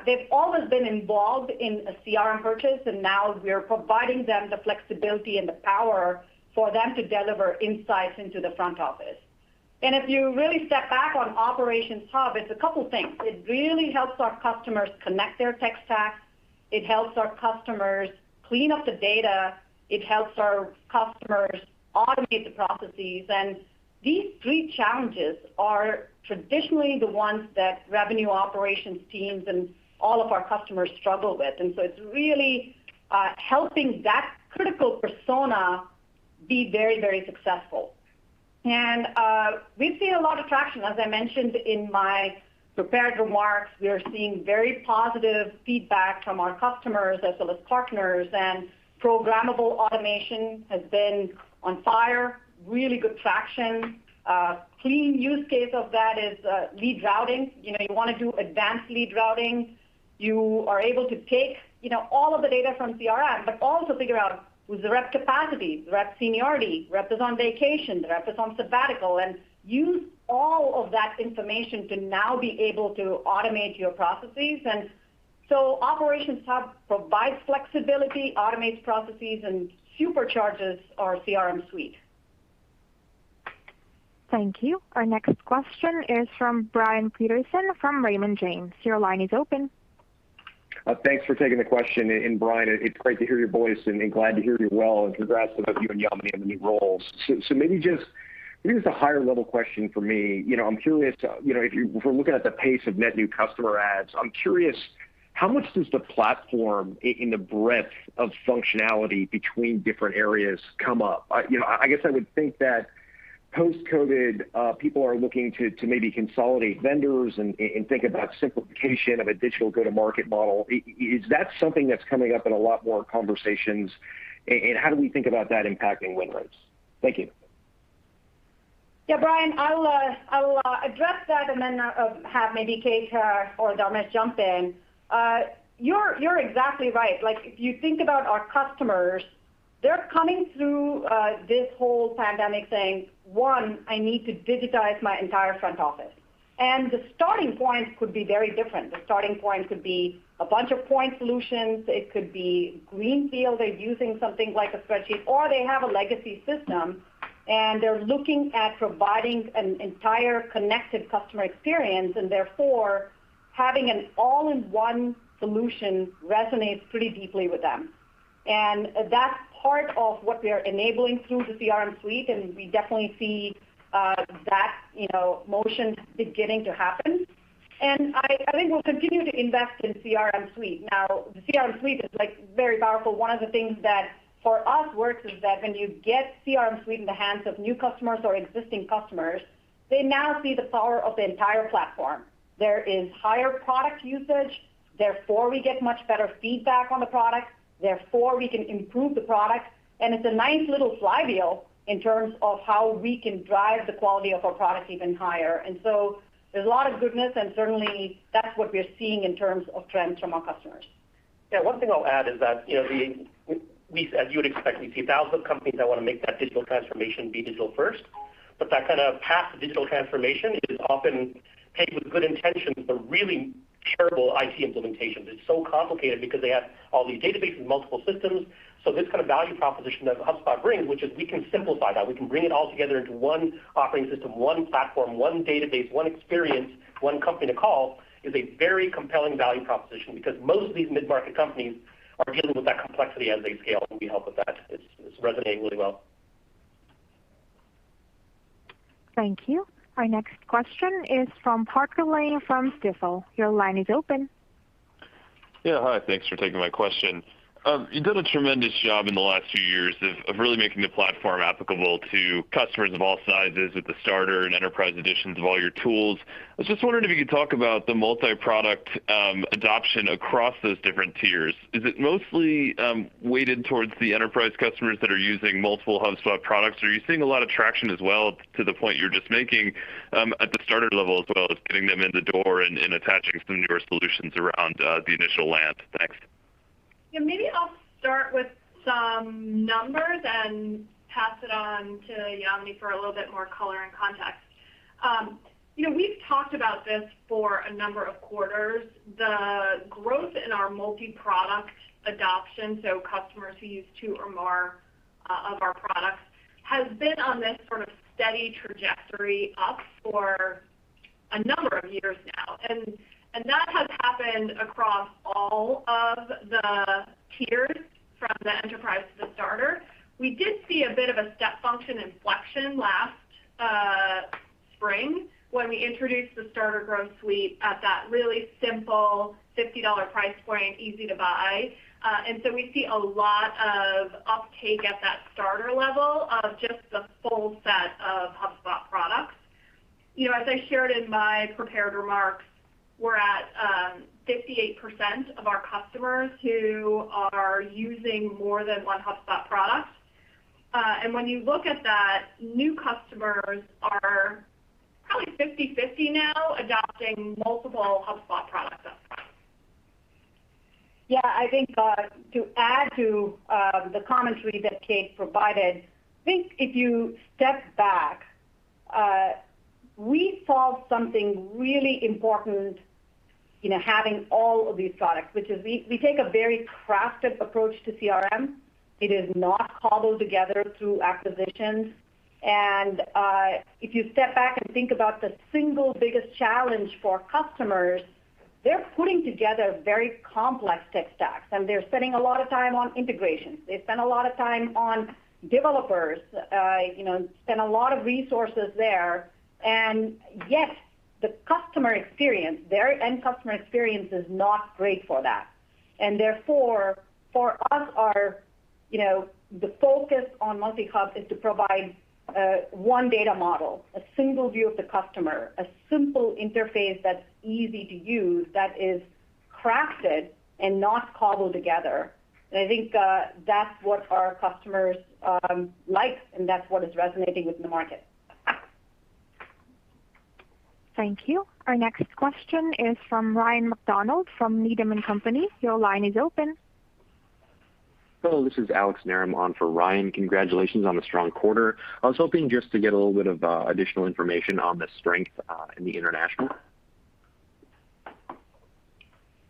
they've always been involved in a CRM purchase, and now we're providing them the flexibility and the power for them to deliver insights into the front office. If you really step back on Operations Hub, it's couple of things. It really helps our customers connect their tech stack. It helps our customers clean up the data. It helps our customers automate the processes. These three challenges are traditionally the ones that revenue operations teams and all of our customers struggle with. It's really helping that critical persona be very successful. We've seen a lot of traction. As I mentioned in my prepared remarks, we are seeing very positive feedback from our customers as well as partners, and programmable automation has been on fire, really good traction. A clean use case of that is lead routing. You want to do advanced lead routing. You are able to take all of the data from CRM, but also figure out who's the rep capacity, the rep seniority, rep is on vacation, the rep is on sabbatical, and use all of that information to now be able to automate your processes. Operations Hub provides flexibility, automates processes, and supercharges our CRM Suite. Thank you. Our next question is from Brian Peterson from Raymond James. Your line is open. Thanks for taking the question. Brian, it's great to hear your voice and glad to hear you're well, and congrats to both you and Yamini on the new roles. Maybe just a higher-level question from me. I am curious, if we are looking at the pace of net new customer adds, I am curious, how much does the platform in the breadth of functionality between different areas come up? I guess I would think that Post-COVID, people are looking to maybe consolidate vendors and think about simplification of a digital go-to-market model. Is that something that is coming up in a lot more conversations, and how do we think about that impacting win rates? Thank you. Yeah, Brian, I'll address that and then have maybe Kate or Dharmesh jump in. You're exactly right. If you think about our customers, they're coming through this whole pandemic saying, one, I need to digitize my entire front office. The starting points could be very different. The starting point could be a bunch of point solutions, it could be greenfield, they're using something like a spreadsheet, or they have a legacy system, and they're looking at providing an entire connected customer experience, and therefore, having an all-in-one solution resonates pretty deeply with them. That's part of what we are enabling through the CRM Suite, and we definitely see that motion beginning to happen. I think we'll continue to invest in CRM Suite. Now, the CRM Suite is very powerful. One of the things that for us works is that when you get CRM Suite in the hands of new customers or existing customers, they now see the power of the entire platform. There is higher product usage, therefore, we get much better feedback on the product, therefore, we can improve the product. It's a nice little flywheel in terms of how we can drive the quality of our product even higher. There's a lot of goodness, and certainly, that's what we're seeing in terms of trends from our customers. Yeah. One thing I'll add is that, as you would expect, we see thousands of companies that want to make that digital transformation be digital first. That kind of path to digital transformation is often paved with good intentions, but really terrible IT implementations. It's so complicated because they have all these databases, multiple systems. This kind of value proposition that HubSpot brings, which is we can simplify that, we can bring it all together into one operating system, one platform, one database, one experience, one company to call, is a very compelling value proposition because most of these mid-market companies are dealing with that complexity as they scale, and we help with that. It's resonating really well. Thank you. Our next question is from Parker Lane from Stifel. Your line is open. Yeah. Hi, thanks for taking my question. You did a tremendous job in the last few years of really making the platform applicable to customers of all sizes with the Starter and Enterprise editions of all your tools. I was just wondering if you could talk about the multi-product adoption across those different tiers. Is it mostly weighted towards the Enterprise customers that are using multiple HubSpot products, or are you seeing a lot of traction as well to the point you were just making at the Starter level as well as getting them in the door and attaching some newer solutions around the initial land? Thanks. Yeah, maybe I'll start with some numbers and pass it on to Yamini for a little bit more color and context. We've talked about this for a number of quarters. The growth in our multi-product adoption, so customers who use two or more of our products, has been on this sort of steady trajectory up for a number of years now. That has happened across all of the tiers, from the Enterprise to the Starter. We did see a bit of a step function inflection last spring when we introduced the Starter Growth Suite at that really simple $50 price point, easy to buy. We see a lot of uptake at that Starter level of just the full set of HubSpot products. As I shared in my prepared remarks, we're at 58% of our customers who are using more than one HubSpot product. When you look at that, new customers are probably 50/50 now adopting multiple HubSpot products. Yeah, I think to add to the commentary that Kate provided, I think if you step back, we solve something really important having all of these products, which is we take a very crafted approach to CRM. It is not cobbled together through acquisitions. If you step back and think about the single biggest challenge for customers, they're putting together very complex tech stacks, and they're spending a lot of time on integrations. They spend a lot of time on developers, spend a lot of resources there. Yet, the customer experience, their end customer experience is not great for that. Therefore, for us, the focus on multi-hub is to provide one data model, a single view of the customer, a simple interface that's easy to use, that is crafted and not cobbled together. I think that's what our customers like, and that's what is resonating with the market. Thank you. Our next question is from Ryan MacDonald from Needham & Company. Your line is open. Hello, this is Alex Narum on for Ryan. Congratulations on the strong quarter. I was hoping just to get a little bit of additional information on the strength in the international.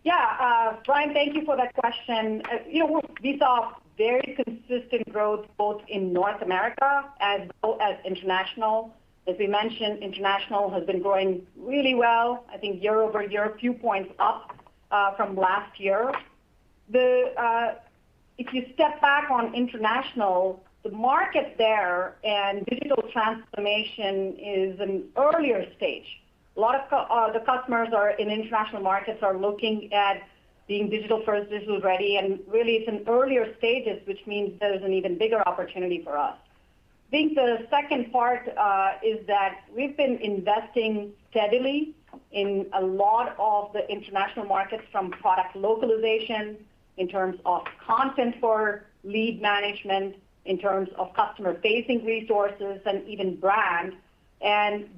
Yeah. Ryan, thank you for that question. We saw very consistent growth both in North America as well as international. As we mentioned, international has been growing really well. I think year-over-year, a few points up from last year. If you step back on international, the market there and digital transformation is an earlier stage A lot of the customers in international markets are looking at being digital first, digital ready, and really it's in earlier stages, which means there's an even bigger opportunity for us. I think the second part is that we've been investing steadily in a lot of the international markets from product localization in terms of content for lead management, in terms of customer-facing resources and even brand.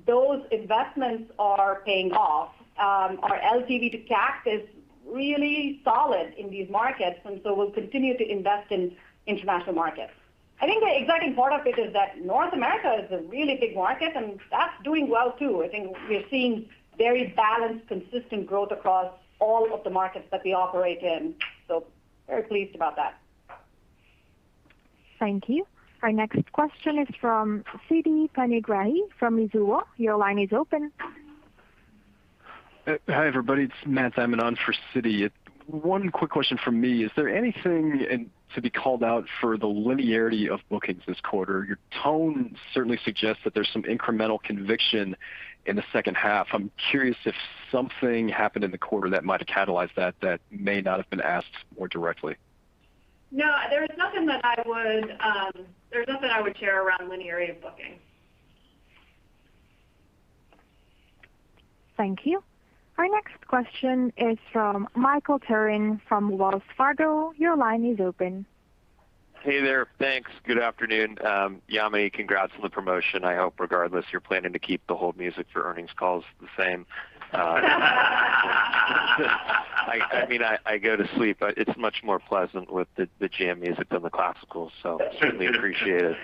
Those investments are paying off. Our LTV to CAC is really solid in these markets, and so we'll continue to invest in international markets. I think the exciting part of it is that North America is a really big market, and that's doing well too. I think we're seeing very balanced, consistent growth across all of the markets that we operate in, so very pleased about that. Thank you. Our next question is from Siti Panigrahi from Mizuho. Your line is open. Hi, everybody. It's Matt Diamond on for Siti. One quick question from me. Is there anything to be called out for the linearity of bookings this quarter? Your tone certainly suggests that there's some incremental conviction in the second half. I'm curious if something happened in the quarter that might have catalyzed that may not have been asked more directly. There's nothing I would share around linearity of bookings. Thank you. Our next question is from Michael Turrin from Wells Fargo. Your line is open. Hey there. Thanks. Good afternoon. Yamini, congrats on the promotion. I hope regardless you're planning to keep the hold music for earnings calls the same. I mean, I go to sleep. It's much more pleasant with the jam music than the classical, so certainly appreciate it.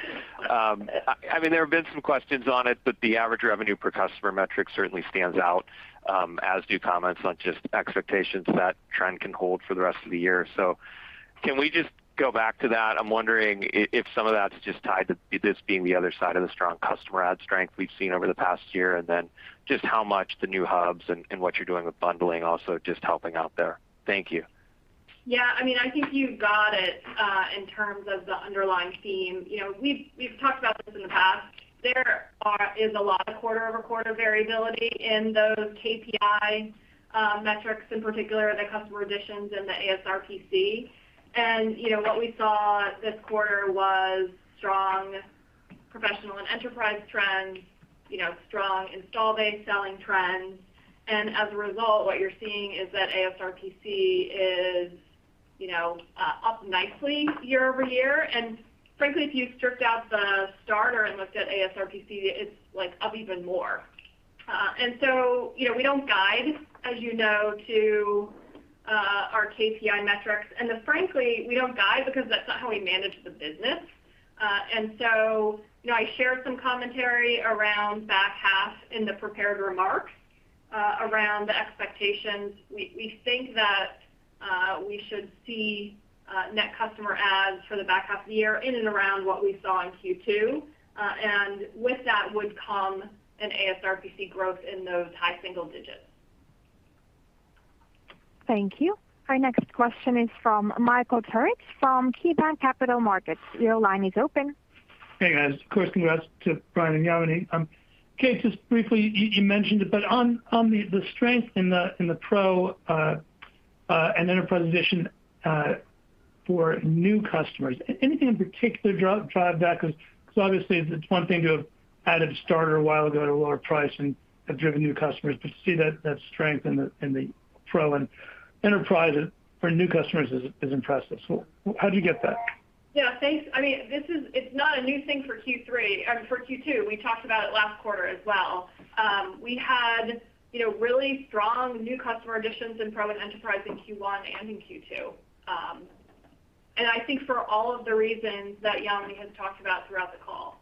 There have been some questions on it, but the average revenue per customer metric certainly stands out, as do comments on just expectations that trend can hold for the rest of the year. Can we just go back to that? I'm wondering if some of that's just tied to this being the other side of the strong customer add strength we've seen over the past year, and then just how much the new hubs and what you're doing with bundling also just helping out there. Thank you. Yeah, I think you've got it in terms of the underlying theme. We've talked about this in the past. There is a lot of quarter-over-quarter variability in those KPI metrics, in particular, the customer additions and the ASRPC. What we saw this quarter was strong professional and enterprise trends, strong install base selling trends. As a result, what you're seeing is that ASRPC is up nicely year-over-year. Frankly, if you stripped out the Starter and looked at ASRPC, it's up even more. We don't guide, as you know, to our KPI metrics. Frankly, we don't guide because that's not how we manage the business. I shared some commentary around back half in the prepared remarks around the expectations. We think that we should see net customer adds for the back half of the year in and around what we saw in Q2. With that would come an ASRPC growth in those high single digits. Thank you. Our next question is from Michael Turits from KeyBanc Capital Markets. Your line is open. Hey, guys. Of course, congrats to Brian and Yamini. Kate, just briefly, you mentioned it, but on the strength in the Pro and Enterprise addition for new customers, anything in particular drive that? Obviously, it's one thing to have added a Starter a while ago at a lower price and have driven new customers, but to see that strength in the Pro and Enterprise for new customers is impressive. How'd you get that? Yeah, thanks. It's not a new thing for Q3. And for Q2, we talked about it last quarter as well. We had really strong new customer additions in Pro and Enterprise in Q1 and in Q2. I think for all of the reasons that Yamini has talked about throughout the call.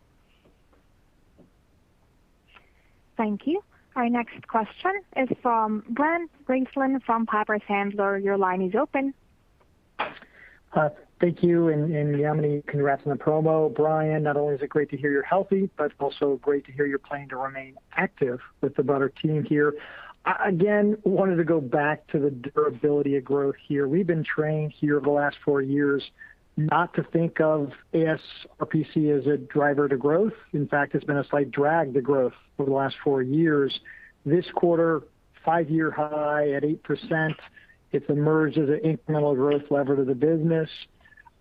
Thank you. Our next question is from Brent Thill from Piper Sandler. Your line is open. Thank you. Yamini, congrats on the promo. Brian, not only is it great to hear you're healthy, but also great to hear you're planning to remain active with the broader team here. Again, wanted to go back to the durability of growth here. We've been trained here over the last four years not to think of ASRPC as a driver to growth. In fact, it's been a slight drag to growth over the last four years. This quarter, five-year high at 8%. It's emerged as an incremental growth lever to the business.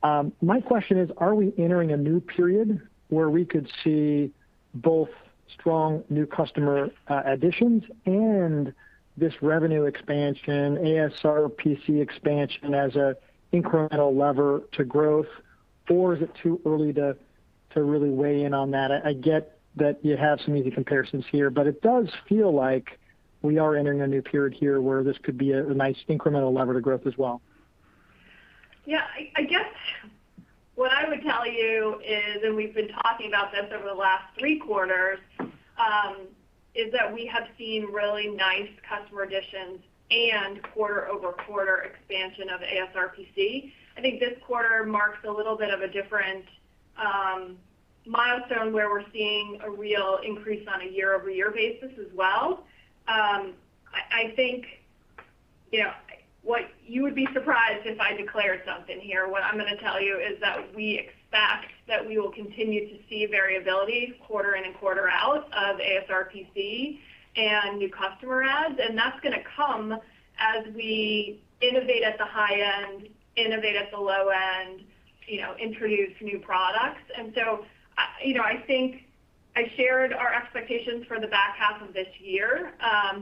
My question is, are we entering a new period where we could see both strong new customer additions and this revenue expansion, ASRPC expansion, as a incremental lever to growth, or is it too early to really weigh in on that? I get that you have some easy comparisons here, but it does feel like we are entering a new period here where this could be a nice incremental lever to growth as well. Yeah, I guess what I would tell you is, and we've been talking about this over the last three quarters, is that we have seen really nice customer additions and quarter-over-quarter expansion of ASRPC. I think this quarter marks a little bit of a different milestone where we're seeing a real increase on a year-over-year basis as well. I think you would be surprised if I declared something here. What I'm going to tell you is that we expect that we will continue to see variability quarter in and quarter out of ASRPC and new customer adds. That's going to come as we innovate at the high end, innovate at the low end, introduce new products. I think I shared our expectations for the back half of this year,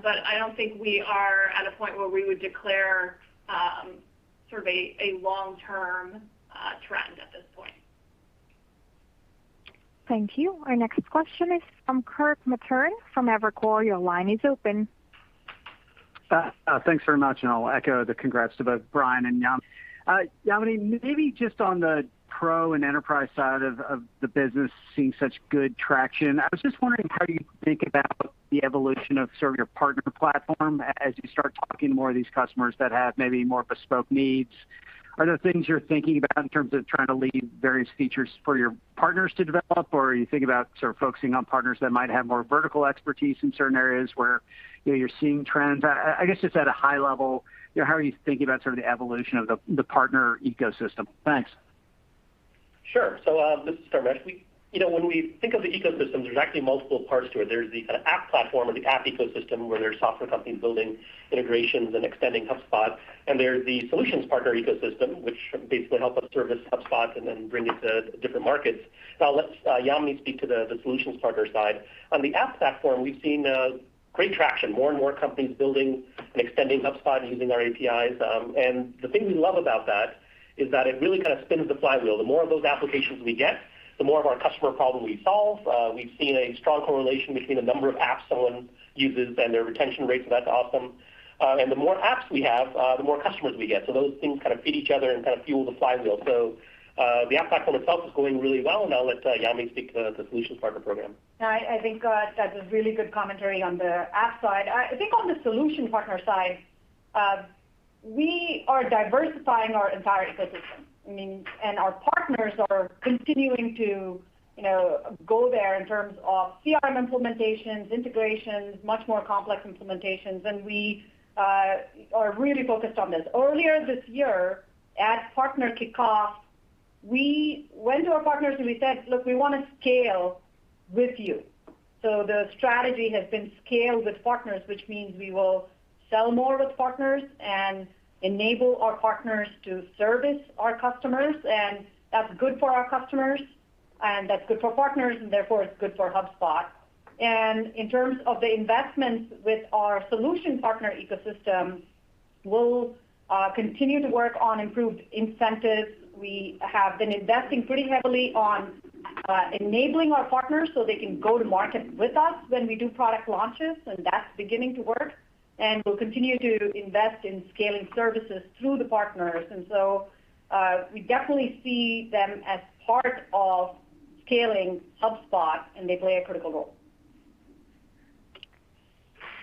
but I don't think we are at a point where we would declare sort of a long-term trend at this point. Thank you. Our next question is from Kirk Materne from Evercore. Your line is open. Thanks very much, and I'll echo the congrats to both Brian and Yamini. Yamini, maybe just on the Pro and Enterprise side of the business seeing such good traction, I was just wondering how you think about the evolution of sort of your partner platform as you start talking to more of these customers that have maybe more bespoke needs. Are there things you're thinking about in terms of trying to lead various features for your partners to develop, or are you thinking about sort of focusing on partners that might have more vertical expertise in certain areas where you're seeing trends? I guess just at a high level, how are you thinking about sort of the evolution of the partner ecosystem? Thanks. Sure. This is Dharmesh. When we think of the ecosystem, there's actually multiple parts to it. There's the kind of app platform or the app ecosystem where there's software companies building integrations and extending HubSpot, and there's the solutions partner ecosystem, which basically help us service HubSpot and then bring it to different markets. I'll let Yamini speak to the solutions partner side. On the app platform, we've seen great traction. More and more companies building and extending HubSpot using our APIs. The thing we love about that is that it really kind of spins the flywheel. The more of those applications we get, the more of our customer problem we solve. We've seen a strong correlation between the number of apps someone uses and their retention rates, and that's awesome. The more apps we have, the more customers we get. Those things kind of feed each other and kind of fuel the flywheel. The app platform itself is going really well, and I'll let Yamini speak to the solutions partner program. No, I think that's a really good commentary on the app side. I think on the solution partner side, we are diversifying our entire ecosystem. Our partners are continuing to go there in terms of CRM implementations, integrations, much more complex implementations, and we are really focused on this. Earlier this year at partner kickoff, we went to our partners, we said, "Look, we want to scale with you." The strategy has been scaled with partners, which means we will sell more with partners and enable our partners to service our customers, and that's good for our customers, and that's good for partners, and therefore it's good for HubSpot. In terms of the investments with our solution partner ecosystem, we'll continue to work on improved incentives. We have been investing pretty heavily on enabling our partners so they can go to market with us when we do product launches, and that's beginning to work. We'll continue to invest in scaling services through the partners. We definitely see them as part of scaling HubSpot, and they play a critical role.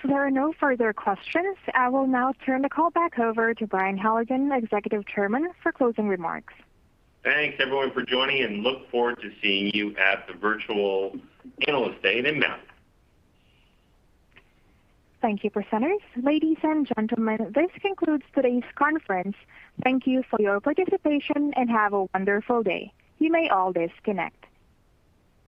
There are no further questions. I will now turn the call back over to Brian Halligan, Executive Chairman, for closing remarks. Thanks, everyone, for joining, and look forward to seeing you at the virtual Analyst Day in May. Thank you, presenters. Ladies and gentlemen, this concludes today's conference. Thank you for your participation, and have a wonderful day. You may all disconnect.